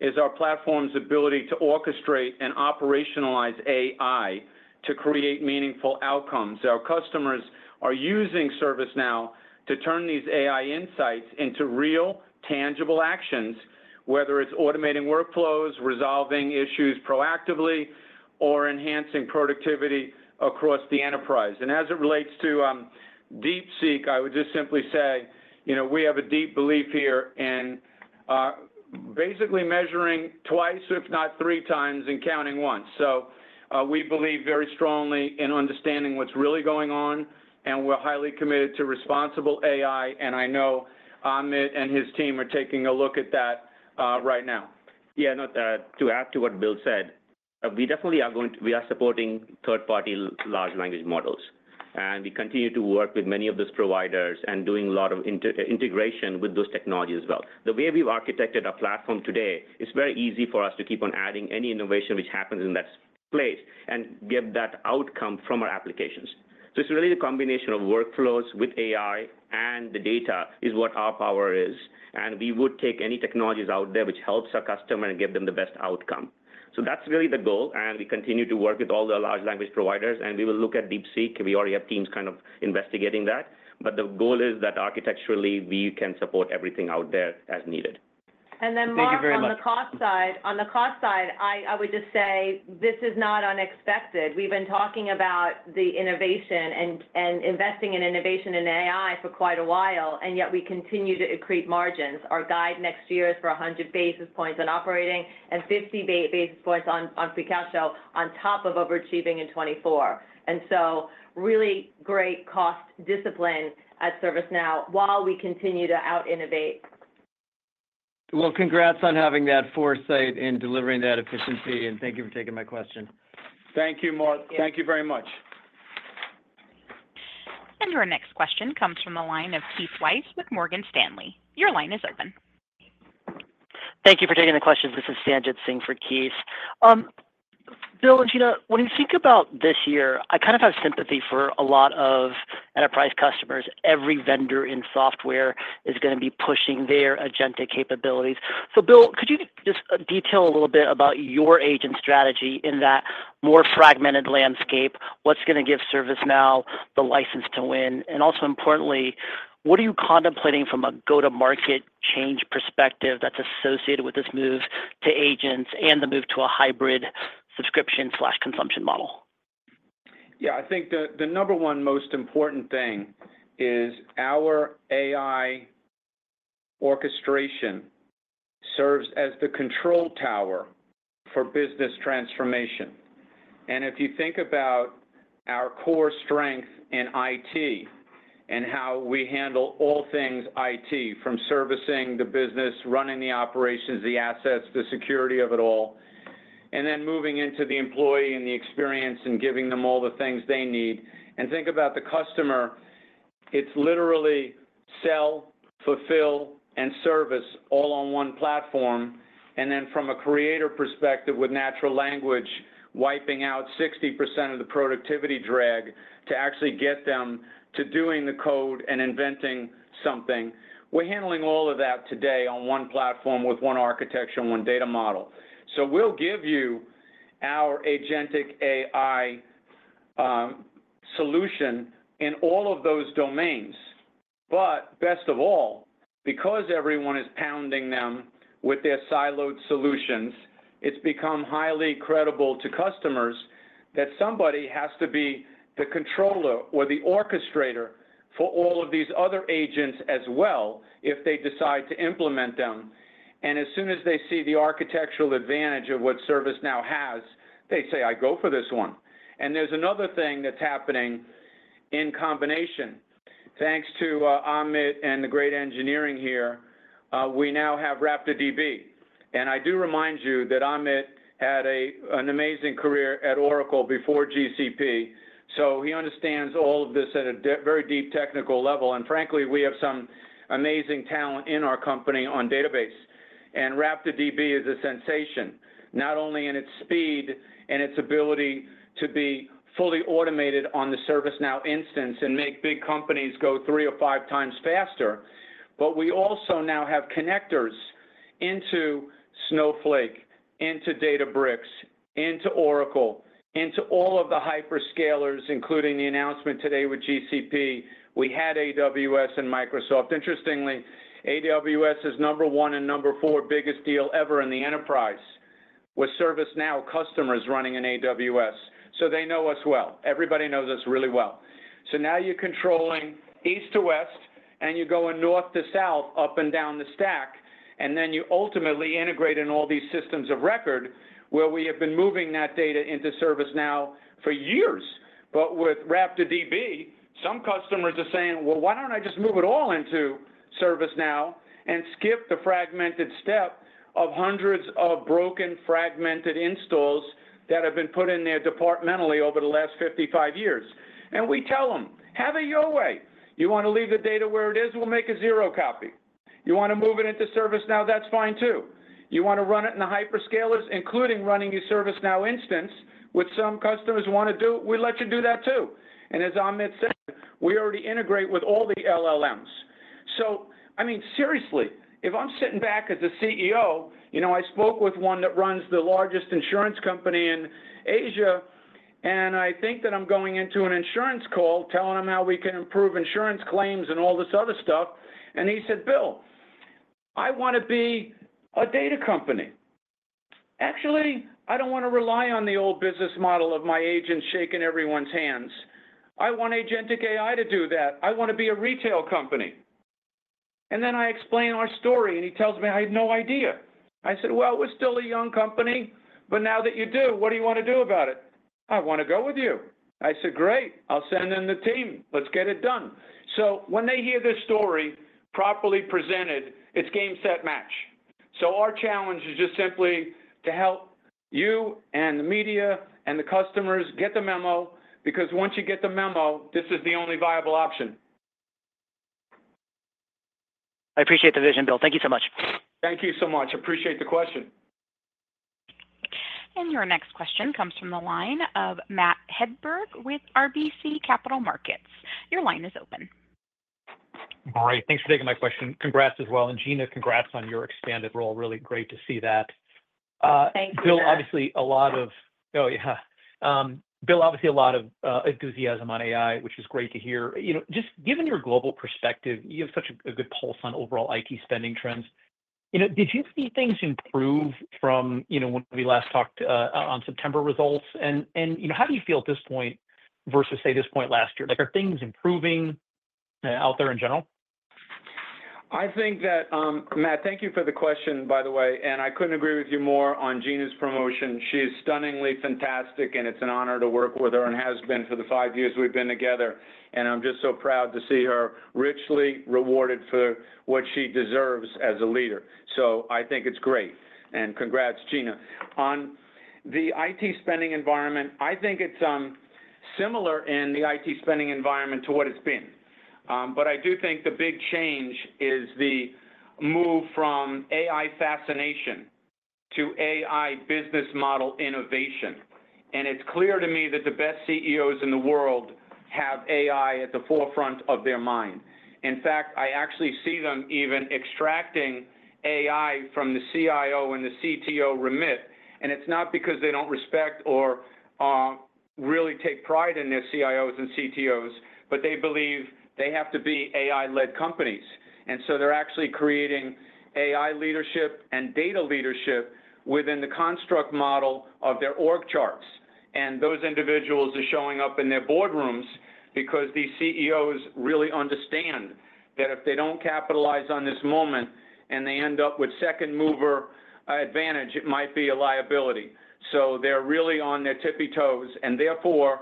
is our platform's ability to orchestrate and operationalize AI to create meaningful outcomes. Our customers are using ServiceNow to turn these AI insights into real, tangible actions, whether it's automating workflows, resolving issues proactively, or enhancing productivity across the enterprise. And as it relates to DeepSeek, I would just simply say we have a deep belief here in basically measuring twice, if not three times, and counting once. So we believe very strongly in understanding what's really going on, and we're highly committed to responsible AI. And I know Amit and his team are taking a look at that right now. Yeah, I do add to what Bill said. We definitely are going to be supporting third-party large language models. And we continue to work with many of those providers and doing a lot of integration with those technologies as well. The way we've architected our platform today, it's very easy for us to keep on adding any innovation which happens in that place and get that outcome from our applications. So it's really the combination of workflows with AI and the data is what our power is. And we would take any technologies out there which helps our customer and give them the best outcome. So that's really the goal. And we continue to work with all the large language providers, and we will look at DeepSeek. We already have teams kind of investigating that. But the goal is that architecturally, we can support everything out there as needed. And then, Mark, on the cost side, I would just say this is not unexpected. We've been talking about the innovation and investing in innovation in AI for quite a while, and yet we continue to create margins. Our guide next year is for 100 basis points on operating and 50 basis points on free cash flow on top of overachieving in 2024. And so really great cost discipline at ServiceNow while we continue to out-innovate. Well, congrats on having that foresight in delivering that efficiency, and thank you for taking my question. Thank you, Mark. Thank you very much. And your next question comes from the line of Keith Weiss with Morgan Stanley. Your line is open. Thank you for taking the question. This is Sanjit Singh for Keith. Bill and Gina, when you think about this year, I kind of have sympathy for a lot of enterprise customers. Every vendor in software is going to be pushing their agentic capabilities. So, Bill, could you just detail a little bit about your agent strategy in that more fragmented landscape? What's going to give ServiceNow the license to win? And also importantly, what are you contemplating from a go-to-market change perspective that's associated with this move to agents and the move to a hybrid subscription/consumption model? Yeah, I think the number one most important thing is our AI orchestration serves as the control tower for business transformation. And if you think about our core strength in IT and how we handle all things IT, from servicing the business, running the operations, the assets, the security of it all, and then moving into the employee and the experience and giving them all the things they need, and think about the customer. It's literally sell, fulfill, and service all on one platform, and then from a creator perspective, with natural language wiping out 60% of the productivity drag to actually get them to doing the code and inventing something. We're handling all of that today on one platform with one architecture and one data model, so we'll give you our agentic AI solution in all of those domains. But best of all, because everyone is pounding them with their siloed solutions, it's become highly credible to customers that somebody has to be the controller or the orchestrator for all of these other agents as well if they decide to implement them. And as soon as they see the architectural advantage of what ServiceNow has, they say, "I go for this one." And there's another thing that's happening in combination. Thanks to Amit and the great engineering here, we now have RaptorDB. And I do remind you that Amit had an amazing career at Oracle before GCP. So he understands all of this at a very deep technical level. And frankly, we have some amazing talent in our company on database. RaptorDB is a sensation, not only in its speed and its ability to be fully automated on the ServiceNow instance and make big companies go three or five times faster, but we also now have connectors into Snowflake, into Databricks, into Oracle, into all of the hyperscalers, including the announcement today with GCP. We had AWS and Microsoft. Interestingly, AWS is number one and number four biggest deal ever in the enterprise with ServiceNow customers running in AWS. They know us well. Everybody knows us really well. Now you are controlling east to west, and you are going north to south, up and down the stack. You ultimately integrate in all these systems of record where we have been moving that data into ServiceNow for years. But with RaptorDB, some customers are saying, "Well, why don't I just move it all into ServiceNow and skip the fragmented step of hundreds of broken, fragmented installs that have been put in there departmentally over the last 55 years?" And we tell them, "Have it your way. You want to leave the data where it is, we'll make a zero copy. You want to move it into ServiceNow, that's fine too. You want to run it in the hyperscalers, including running your ServiceNow instance, which some customers want to do, we let you do that too." And as Amit said, we already integrate with all the LLMs. So, I mean, seriously, if I'm sitting back as a CEO, I spoke with one that runs the largest insurance company in Asia, and I think that I'm going into an insurance call telling them how we can improve insurance claims and all this other stuff. And he said, "Bill, I want to be a data company. Actually, I don't want to rely on the old business model of my agents shaking everyone's hands. I want Agentic AI to do that. I want to be a retail company." And then I explain our story, and he tells me, "I had no idea." I said, "Well, we're still a young company, but now that you do, what do you want to do about it?" "I want to go with you." I said, "Great. I'll send in the team. Let's get it done." So when they hear the story properly presented, it's game set match. So our challenge is just simply to help you and the media and the customers get the memo because once you get the memo, this is the only viable option. I appreciate the vision, Bill. Thank you so much. Thank you so much. Appreciate the question. And your next question comes from the line of Matt Hedberg with RBC Capital Markets. Your line is open. Great. Thanks for taking my question. Congrats as well. And Gina, congrats on your expanded role. Really great to see that. Thank you. Bill, obviously, a lot of, oh, yeah. Bill, obviously, a lot of enthusiasm on AI, which is great to hear. Just given your global perspective, you have such a good pulse on overall IT spending trends. Did you see things improve from when we last talked on September results? And how do you feel at this point versus, say, this point last year? Are things improving out there in general? I think that, Matt, thank you for the question, by the way. And I couldn't agree with you more on Gina's promotion. She is stunningly fantastic, and it's an honor to work with her and has been for the five years we've been together. And I'm just so proud to see her richly rewarded for what she deserves as a leader. So I think it's great. And congrats, Gina. On the IT spending environment, I think it's similar in the IT spending environment to what it's been. But I do think the big change is the move from AI fascination to AI business model innovation. It's clear to me that the best CEOs in the world have AI at the forefront of their mind. In fact, I actually see them even extracting AI from the CIO and the CTO remit. It's not because they don't respect or really take pride in their CIOs and CTOs, but they believe they have to be AI-led companies. They're actually creating AI leadership and data leadership within the construct model of their org charts. Those individuals are showing up in their boardrooms because these CEOs really understand that if they don't capitalize on this moment and they end up with second-mover advantage, it might be a liability. They're really on their tippy toes. And therefore,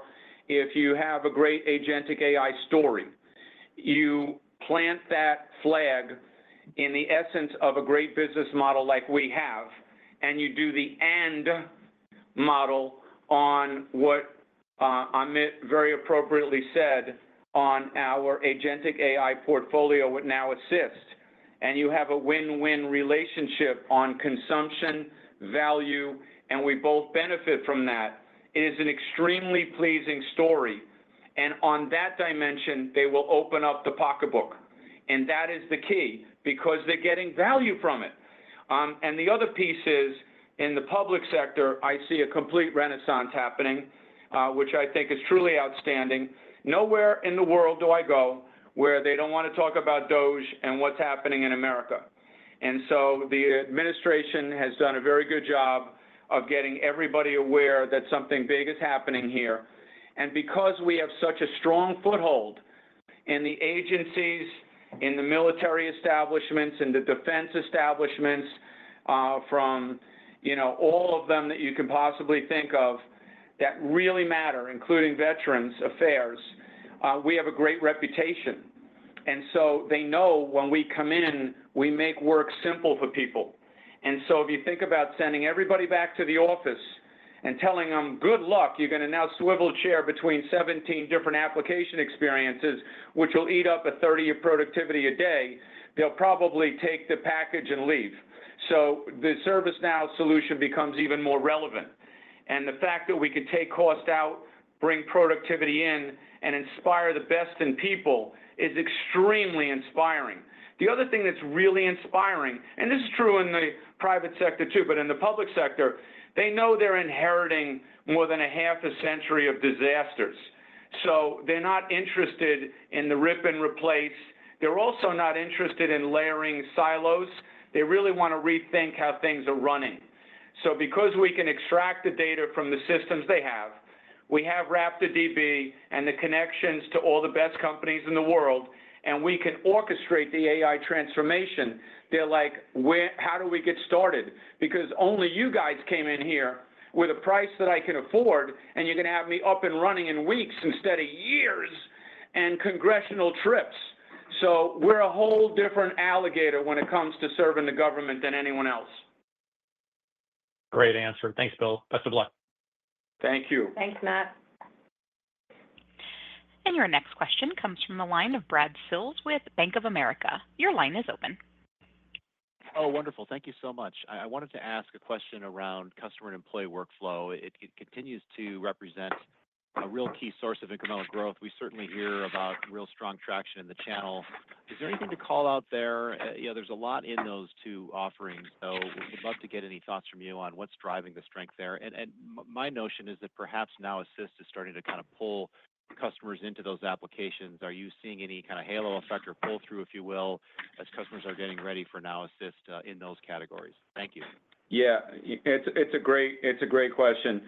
if you have a great agentic AI story, you plant that flag in the essence of a great business model like we have, and you do the end model on what Amit very appropriately said on our agentic AI portfolio with Now Assist. And you have a win-win relationship on consumption, value, and we both benefit from that. It is an extremely pleasing story. And on that dimension, they will open up the pocketbook. And that is the key because they're getting value from it. And the other piece is in the public sector, I see a complete renaissance happening, which I think is truly outstanding. Nowhere in the world do I go where they don't want to talk about DOGE and what's happening in America. And so the administration has done a very good job of getting everybody aware that something big is happening here. And because we have such a strong foothold in the agencies, in the military establishments, in the defense establishments, from all of them that you can possibly think of that really matter, including Veterans Affairs, we have a great reputation. And so they know when we come in, we make work simple for people. And so if you think about sending everybody back to the office and telling them, "Good luck, you're going to now swivel a chair between 17 different application experiences, which will eat up 30% of productivity a day," they'll probably take the package and leave. So the ServiceNow solution becomes even more relevant. And the fact that we can take cost out, bring productivity in, and inspire the best in people is extremely inspiring. The other thing that's really inspiring, and this is true in the private sector too, but in the public sector, they know they're inheriting more than a half a century of disasters. So they're not interested in the rip and replace. They're also not interested in layering silos. They really want to rethink how things are running. So because we can extract the data from the systems they have, we have RaptorDB and the connections to all the best companies in the world, and we can orchestrate the AI transformation, they're like, "How do we get started? Because only you guys came in here with a price that I can afford, and you're going to have me up and running in weeks instead of years and congressional trips." So we're a whole different alligator when it comes to serving the government than anyone else. Great answer. Thanks, Bill. Best of luck. Thank you. Thanks, Matt. And your next question comes from the line of Brad Sills with Bank of America. Your line is open. Oh, wonderful. Thank you so much. I wanted to ask a question around customer and employee workflow. It continues to represent a real key source of incremental growth. We certainly hear about real strong traction in the channel. Is there anything to call out there? There's a lot in those two offerings. So we'd love to get any thoughts from you on what's driving the strength there. And my notion is that perhaps Now Assist is starting to kind of pull customers into those applications. Are you seeing any kind of halo effect or pull-through, if you will, as customers are getting ready for Now Assist in those categories? Thank you. Yeah. It's a great question.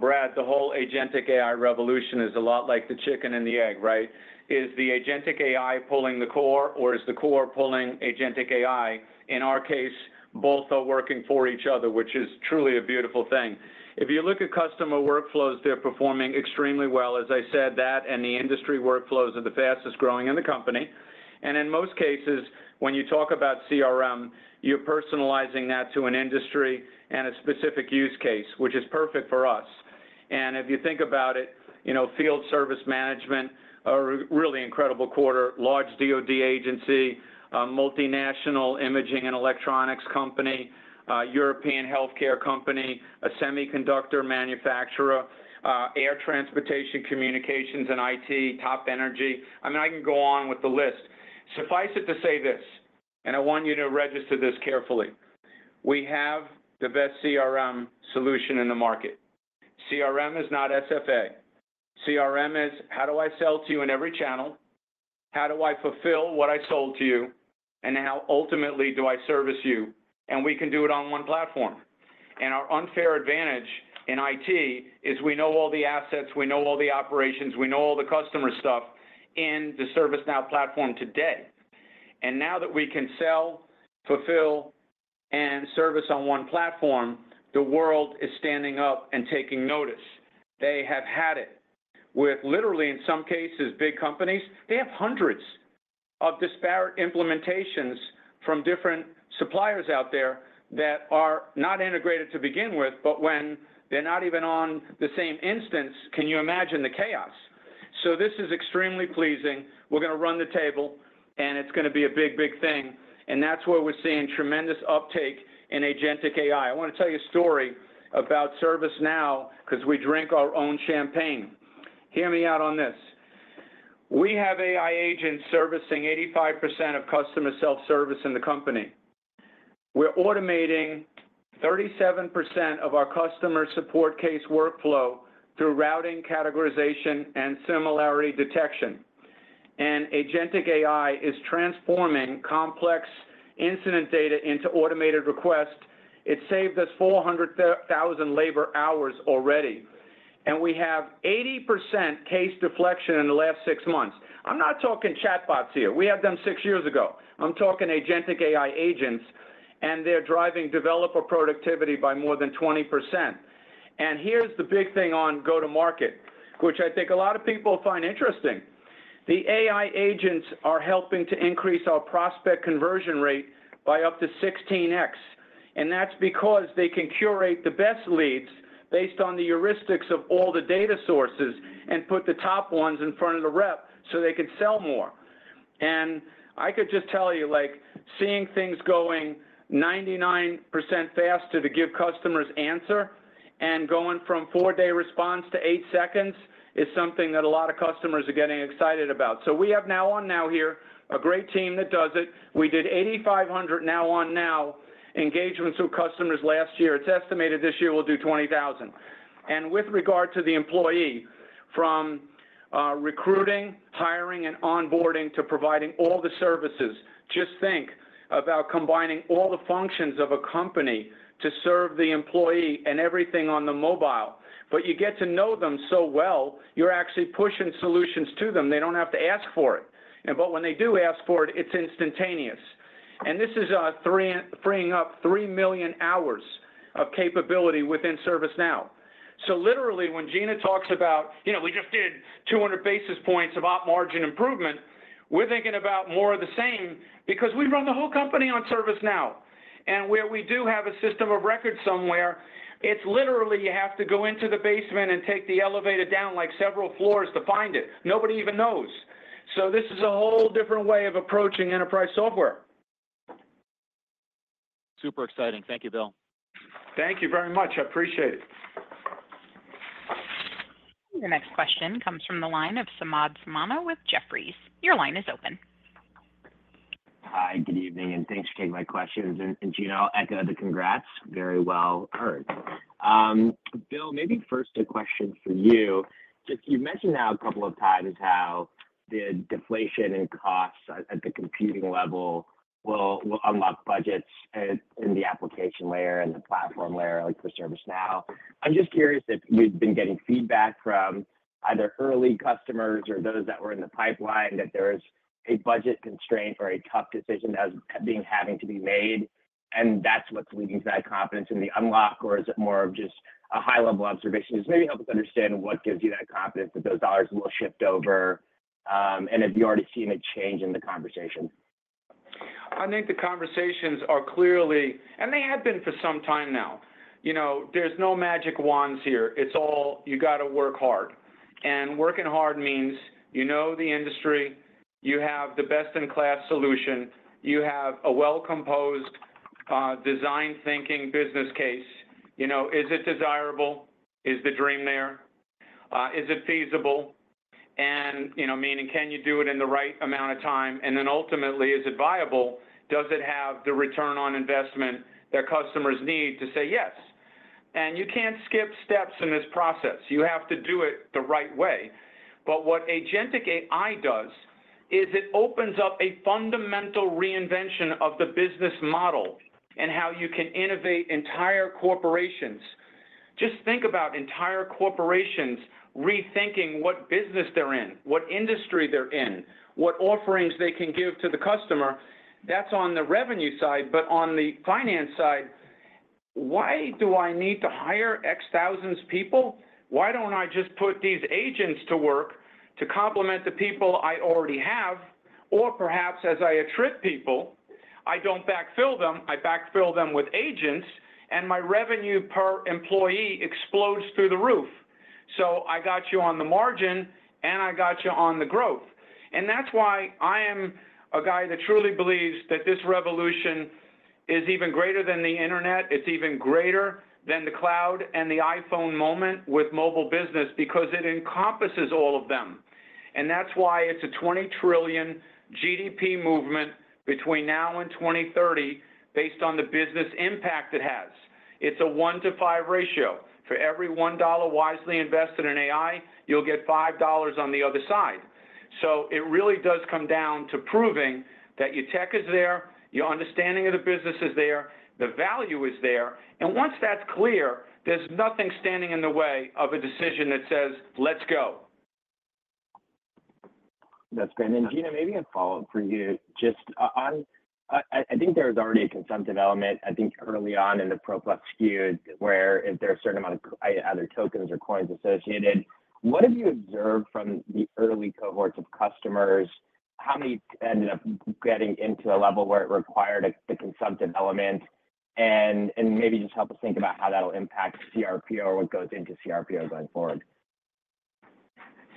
Brad, the whole Agentic AI revolution is a lot like the chicken and the egg, right? Is the Agentic AI pulling the core, or is the core pulling Agentic AI? In our case, both are working for each other, which is truly a beautiful thing. If you look at customer workflows, they're performing extremely well. As I said, that and the industry workflows are the fastest growing in the company, and in most cases, when you talk about CRM, you're personalizing that to an industry and a specific use case, which is perfect for us, and if you think about it, field service management, a really incredible quarter, large DoD agency, multinational imaging and electronics company, European healthcare company, a semiconductor manufacturer, air transportation communications and IT, top energy. I mean, I can go on with the list. Suffice it to say this, and I want you to register this carefully. We have the best CRM solution in the market. CRM is not SFA. CRM is, "How do I sell to you in every channel? How do I fulfill what I sold to you? And how ultimately do I service you?" And we can do it on one platform. And our unfair advantage in IT is we know all the assets, we know all the operations, we know all the customer stuff in the ServiceNow platform today. And now that we can sell, fulfill, and service on one platform, the world is standing up and taking notice. They have had it with, literally, in some cases, big companies. They have hundreds of disparate implementations from different suppliers out there that are not integrated to begin with, but when they're not even on the same instance, can you imagine the chaos, so this is extremely pleasing. We're going to run the table, and it's going to be a big, big thing, and that's where we're seeing tremendous uptake in agentic AI. I want to tell you a story about ServiceNow because we drink our own champagne. Hear me out on this. We have AI agents servicing 85% of customer self-service in the company. We're automating 37% of our customer support case workflow through routing, categorization, and similarity detection. And agentic AI is transforming complex incident data into automated requests. It saved us 400,000 labor hours already, and we have 80% case deflection in the last six months. I'm not talking chatbots here. We had them six years ago. I'm talking Agentic AI agents, and they're driving developer productivity by more than 20%. And here's the big thing on go-to-market, which I think a lot of people find interesting. The AI agents are helping to increase our prospect conversion rate by up to 16x. And that's because they can curate the best leads based on the heuristics of all the data sources and put the top ones in front of the rep so they can sell more. And I could just tell you, seeing things going 99% faster to give customers answer and going from four-day response to eight seconds is something that a lot of customers are getting excited about. So we have Now On Now here, a great team that does it. We did 8,500 Now On Now engagements with customers last year. It's estimated this year we'll do 20,000. And with regard to the employee, from recruiting, hiring, and onboarding to providing all the services, just think about combining all the functions of a company to serve the employee and everything on the mobile. But you get to know them so well, you're actually pushing solutions to them. They don't have to ask for it. But when they do ask for it, it's instantaneous. And this is freeing up three million hours of capability within ServiceNow. So literally, when Gina talks about, "We just did 200 basis points of op margin improvement," we're thinking about more of the same because we run the whole company on ServiceNow. And where we do have a system of records somewhere, it's literally you have to go into the basement and take the elevator down several floors to find it. Nobody even knows. So this is a whole different way of approaching enterprise software. Super exciting. Thank you, Bill. Thank you very much. I appreciate it. The next question comes from the line of Samad Samana with Jefferies. Your line is open. Hi, good evening, and thanks for taking my questions. And Gina, I'll echo the congrats. Very well heard. Bill, maybe first a question for you. You've mentioned now a couple of times how the deflation in costs at the computing level will unlock budgets in the application layer and the platform layer for ServiceNow. I'm just curious if you've been getting feedback from either early customers or those that were in the pipeline that there is a budget constraint or a tough decision that's having to be made, and that's what's leading to that confidence in the unlock, or is it more of just a high-level observation? Just maybe help us understand what gives you that confidence that those dollars will shift over, and have you already seen a change in the conversation? I think the conversations are clearly, and they have been for some time now. There's no magic wands here. It's all you got to work hard. And working hard means you know the industry, you have the best-in-class solution, you have a well-composed, design-thinking business case. Is it desirable? Is the dream there? Is it feasible? And meaning, can you do it in the right amount of time? And then ultimately, is it viable? Does it have the return on investment that customers need to say yes? And you can't skip steps in this process. You have to do it the right way. But what agentic AI does is it opens up a fundamental reinvention of the business model and how you can innovate entire corporations. Just think about entire corporations rethinking what business they're in, what industry they're in, what offerings they can give to the customer. That's on the revenue side, but on the finance side, why do I need to hire X thousands of people? Why don't I just put these agents to work to complement the people I already have? Or perhaps as I attract people, I don't backfill them. I backfill them with agents, and my revenue per employee explodes through the roof. So I got you on the margin, and I got you on the growth. And that's why I am a guy that truly believes that this revolution is even greater than the internet. It's even greater than the cloud and the iPhone moment with mobile business because it encompasses all of them. And that's why it's a 20 trillion GDP movement between now and 2030 based on the business impact it has. It's a one-to-five ratio. For every $1 wisely invested in AI, you'll get $5 on the other side. So it really does come down to proving that your tech is there, your understanding of the business is there, the value is there. And once that's clear, there's nothing standing in the way of a decision that says, "Let's go." That's great. And Gina, maybe a follow-up for you. I think there was already a consumptive element, I think early on in the Pro Plus SKU, where if there's a certain amount of either tokens or coins associated. What have you observed from the early cohorts of customers? How many ended up getting into a level where it required the consumption element, and maybe just help us think about how that'll impact CRPO or what goes into CRPO going forward.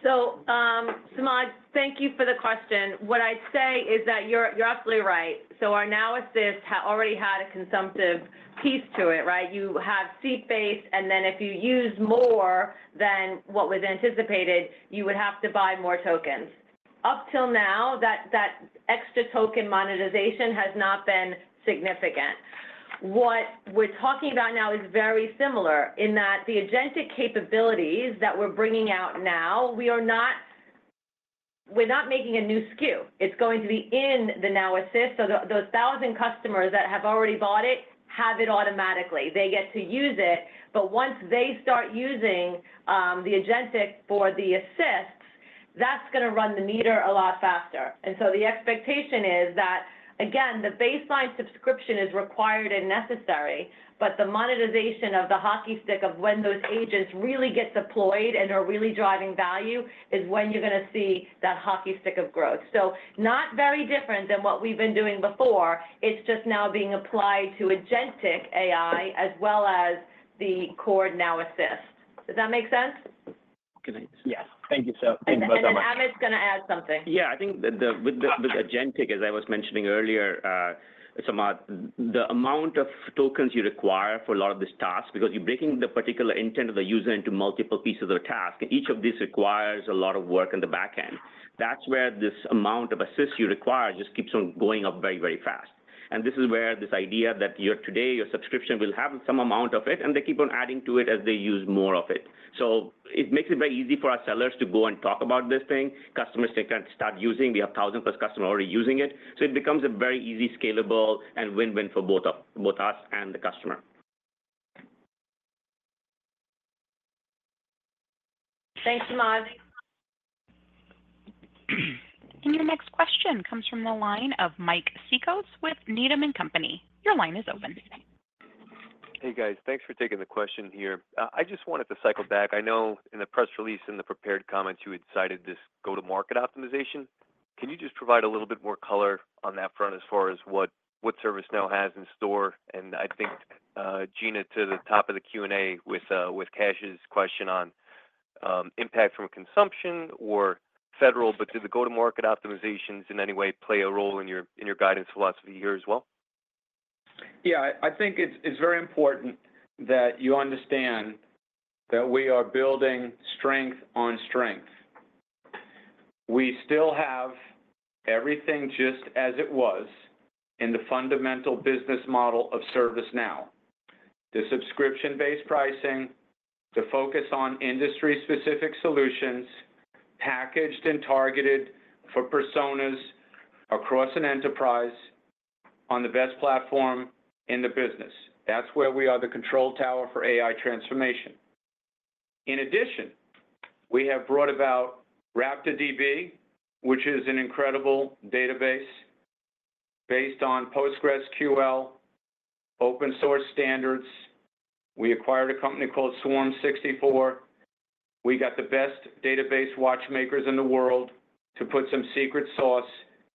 So Samad, thank you for the question. What I'd say is that you're absolutely right. So our Now Assist has already had a consumption piece to it, right? You have seat-based, and then if you use more than what was anticipated, you would have to buy more tokens. Up till now, that extra token monetization has not been significant. What we're talking about now is very similar in that the agentic capabilities that we're bringing out now, we're not making a new SKU. It's going to be in the Now Assist. So those 1,000 customers that have already bought it have it automatically. They get to use it. But once they start using the agentic for the Now Assist, that's going to run the meter a lot faster. And so the expectation is that, again, the baseline subscription is required and necessary, but the monetization of the hockey stick of when those agents really get deployed and are really driving value is when you're going to see that hockey stick of growth. So not very different than what we've been doing before. It's just now being applied to agentic AI as well as the core Now Assist. Does that make sense? Yes. Thank you, sir. Thank you both so much. Amit's going to add something. Yeah. I think with agentic, as I was mentioning earlier, Samad, the amount of tokens you require for a lot of these tasks because you're breaking the particular intent of the user into multiple pieces of task. Each of these requires a lot of work on the backend. That's where this amount of Now Assist you require just keeps on going up very, very fast. And this is where this idea that today your subscription will have some amount of it, and they keep on adding to it as they use more of it. So it makes it very easy for our sellers to go and talk about this thing. Customers can start using. We have thousands plus customers already using it. So it becomes a very easy, scalable, and win-win for both us and the customer. Thanks, Samad. And your next question comes from the line of Mike Cikos with Needham & Company. Your line is open. Hey, guys. Thanks for taking the question here. I just wanted to cycle back. I know in the press release and the prepared comments, you had cited this go-to-market optimization. Can you just provide a little bit more color on that front as far as what ServiceNow has in store? And I think, Gina, to the top of the Q&A with Kash question on impact from consumption or federal, but did the go-to-market optimizations in any way play a role in your guidance philosophy here as well? Yeah. I think it's very important that you understand that we are building strength on strength. We still have everything just as it was in the fundamental business model of ServiceNow. The subscription-based pricing, the focus on industry-specific solutions, packaged and targeted for personas across an enterprise on the best platform in the business. That's where we are the control tower for AI transformation. In addition, we have brought about RaptorDB, which is an incredible database based on PostgreSQL, open-source standards. We acquired a company called Swarm64. We got the best database watchmakers in the world to put some secret sauce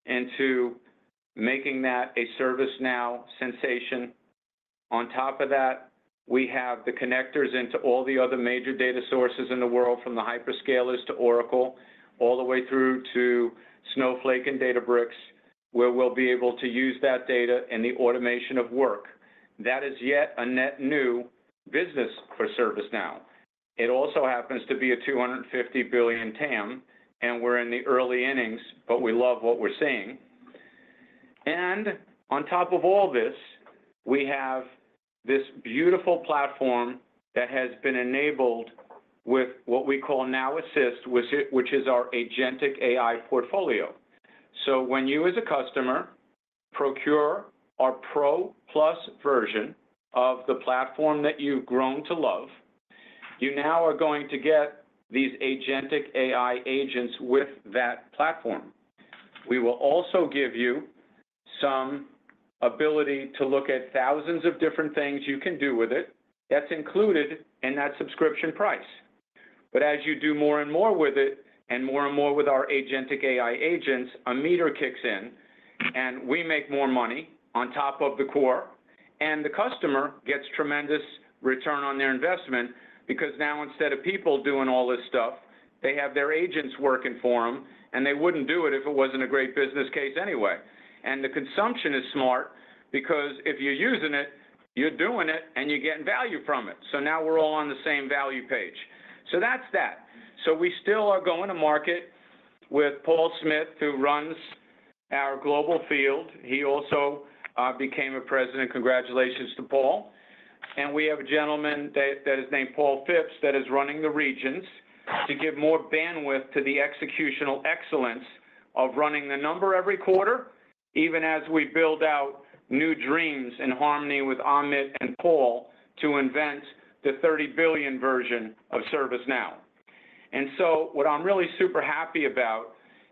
into making that a ServiceNow sensation. On top of that, we have the connectors into all the other major data sources in the world, from the hyperscalers to Oracle, all the way through to Snowflake and Databricks, where we'll be able to use that data in the automation of work. That is yet a net new business for ServiceNow. It also happens to be a $250 billion TAM, and we're in the early innings, but we love what we're seeing. And on top of all this, we have this beautiful platform that has been enabled with what we call Now Assist, which is our agentic AI portfolio. So when you, as a customer, procure our Pro Plus version of the platform that you've grown to love, you now are going to get these agentic AI agents with that platform. We will also give you some ability to look at thousands of different things you can do with it. That's included in that subscription price. But as you do more and more with it and more and more with our agentic AI agents, a meter kicks in, and we make more money on top of the core. And the customer gets tremendous return on their investment because now, instead of people doing all this stuff, they have their agents working for them, and they wouldn't do it if it wasn't a great business case anyway. And the consumption is smart because if you're using it, you're doing it, and you're getting value from it. So now we're all on the same value page. So that's that. So we still are going to market with Paul Smith, who runs our global field. He also became a President. Congratulations to Paul. And we have a gentleman that is named Paul Fipps that is running the regions to give more bandwidth to the executional excellence of running the number every quarter, even as we build out new dreams in harmony with Amit and Paul to invent the 30 billion version of ServiceNow. And so what I'm really super happy about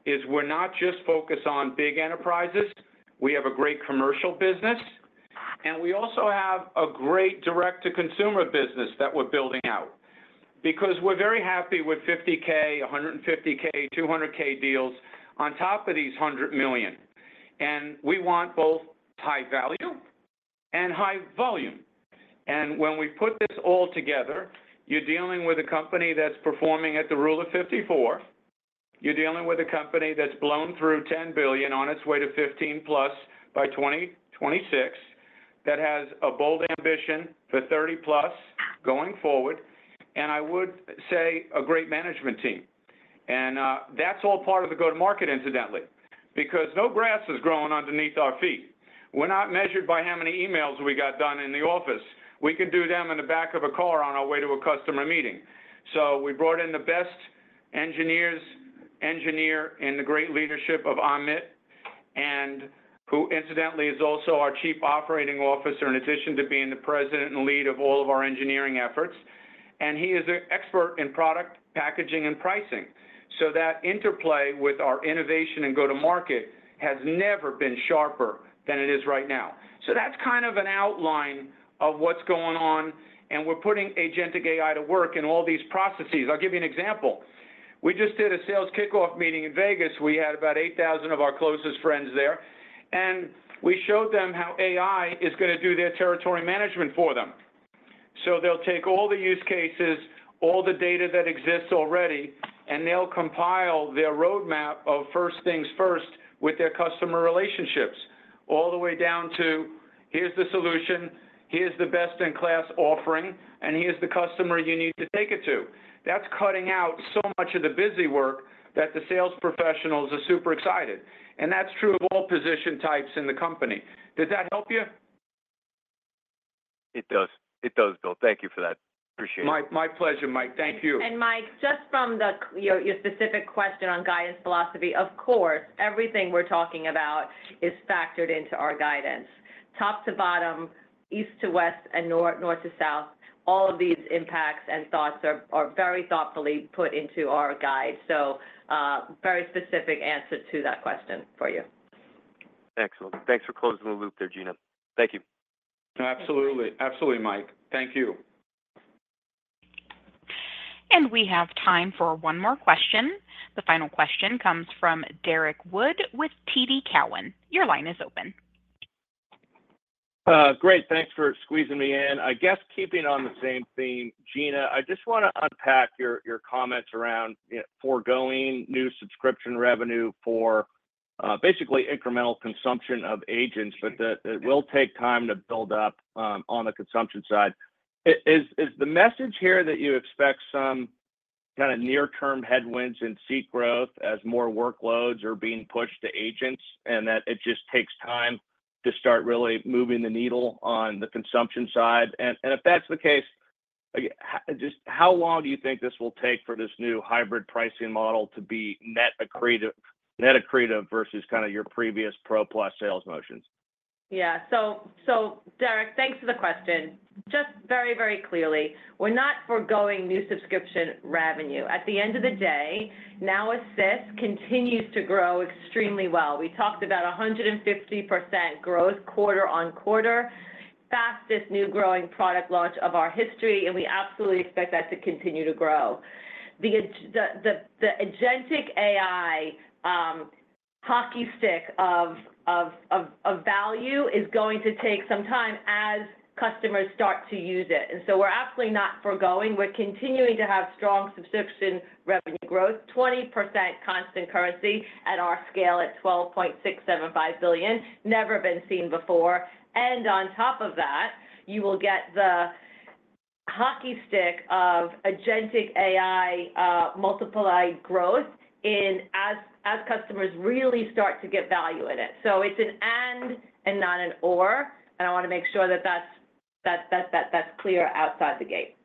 is we're not just focused on big enterprises. We have a great commercial business, and we also have a great direct-to-consumer business that we're building out because we're very happy with 50K, 150K, 200K deals on top of these 100 million. And we want both high value and high volume. When we put this all together, you're dealing with a company that's performing at the rule of 54. You're dealing with a company that's blown through $10 billion on its way to $15 billion-plus by 2026 that has a bold ambition for $30 billion-plus going forward, and I would say a great management team. That's all part of the go-to-market, incidentally, because no grass is growing underneath our feet. We're not measured by how many emails we got done in the office. We can do them in the back of a car on our way to a customer meeting. We brought in the best engineers under the great leadership of Amit, who incidentally is also our Chief Operating Officer in addition to being the President and lead of all of our engineering efforts. He is an expert in product packaging and pricing. So that interplay with our innovation and go-to-market has never been sharper than it is right now. So that's kind of an outline of what's going on, and we're putting agentic AI to work in all these processes. I'll give you an example. We just did a sales kickoff meeting in Vegas. We had about 8,000 of our closest friends there, and we showed them how AI is going to do their territory management for them. So they'll take all the use cases, all the data that exists already, and they'll compile their roadmap of first things first with their customer relationships all the way down to, "Here's the solution. Here's the best-in-class offering, and here's the customer you need to take it to." That's cutting out so much of the busy work that the sales professionals are super excited. And that's true of all position types in the company. Does that help you? It does. It does, Bill. Thank you for that. Appreciate it. My pleasure, Mike. Thank you. And Mike, just from your specific question on guidance philosophy, of course, everything we're talking about is factored into our guidance. Top to bottom, east to west, and north to south, all of these impacts and thoughts are very thoughtfully put into our guide. So very specific answer to that question for you. Excellent. Thanks for closing the loop there, Gina. Thank you. Absolutely. Absolutely, Mike. Thank you. And we have time for one more question. The final question comes from Derrick Wood with TD Cowen. Your line is open. Great. Thanks for squeezing me in. I guess keeping on the same theme, Gina, I just want to unpack your comments around forgoing new subscription revenue for basically incremental consumption of agents, but it will take time to build up on the consumption side. Is the message here that you expect some kind of near-term headwinds in seed growth as more workloads are being pushed to agents and that it just takes time to start really moving the needle on the consumption side? And if that's the case, just how long do you think this will take for this new hybrid pricing model to be net accretive versus kind of your previous ProPlus sales motions? Yeah. So Derrick, thanks for the question. Just very, very clearly, we're not forgoing new subscription revenue. At the end of the day, Now Assist continues to grow extremely well. We talked about 150% growth quarter on quarter, fastest new growing product launch of our history, and we absolutely expect that to continue to grow. The agentic AI hockey stick of value is going to take some time as customers start to use it. And so we're absolutely not forgoing. We're continuing to have strong subscription revenue growth, 20% constant currency at our scale at $12.675 billion, never been seen before. And on top of that, you will get the hockey stick of agentic AI multiplied growth as customers really start to get value in it. So it's an and and not an or. And I want to make sure that that's clear outside the gate.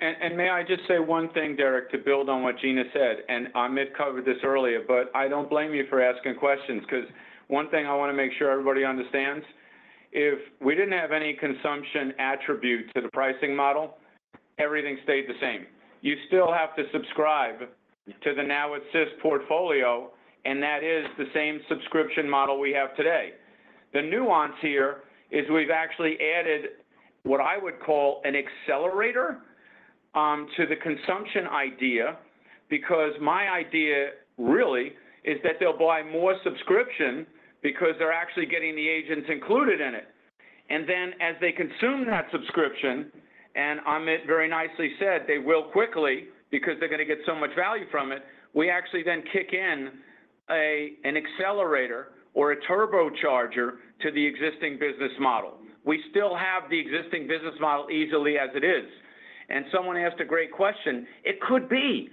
And may I just say one thing, Derrick, to build on what Gina said? Amit covered this earlier, but I don't blame you for asking questions because one thing I want to make sure everybody understands. If we didn't have any consumption attribute to the pricing model, everything stayed the same. You still have to subscribe to the Now Assist portfolio, and that is the same subscription model we have today. The nuance here is we've actually added what I would call an accelerator to the consumption idea because my idea really is that they'll buy more subscription because they're actually getting the agents included in it. And then as they consume that subscription, and Amit very nicely said, they will quickly because they're going to get so much value from it. We actually then kick in an accelerator or a turbocharger to the existing business model. We still have the existing business model easily as it is. Someone asked a great question. It could be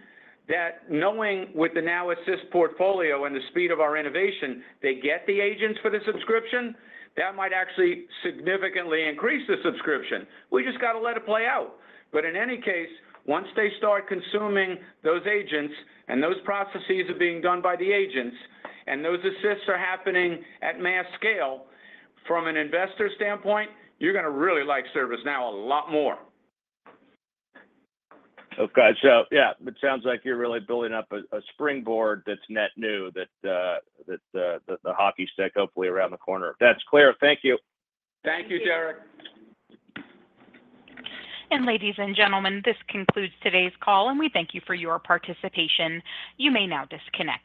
that knowing with the Now Assist portfolio and the speed of our innovation, they get the agents for the subscription. That might actually significantly increase the subscription. We just got to let it play out. But in any case, once they start consuming those agents and those processes are being done by the agents and those assists are happening at mass scale from an investor standpoint, you're going to really like ServiceNow a lot more. Okay. So yeah, it sounds like you're really building up a springboard that's net new, that the hockey stick hopefully around the corner. That's clear. Thank you. Thank you, Derrick. And ladies and gentlemen, this concludes today's call, and we thank you for your participation. You may now disconnect.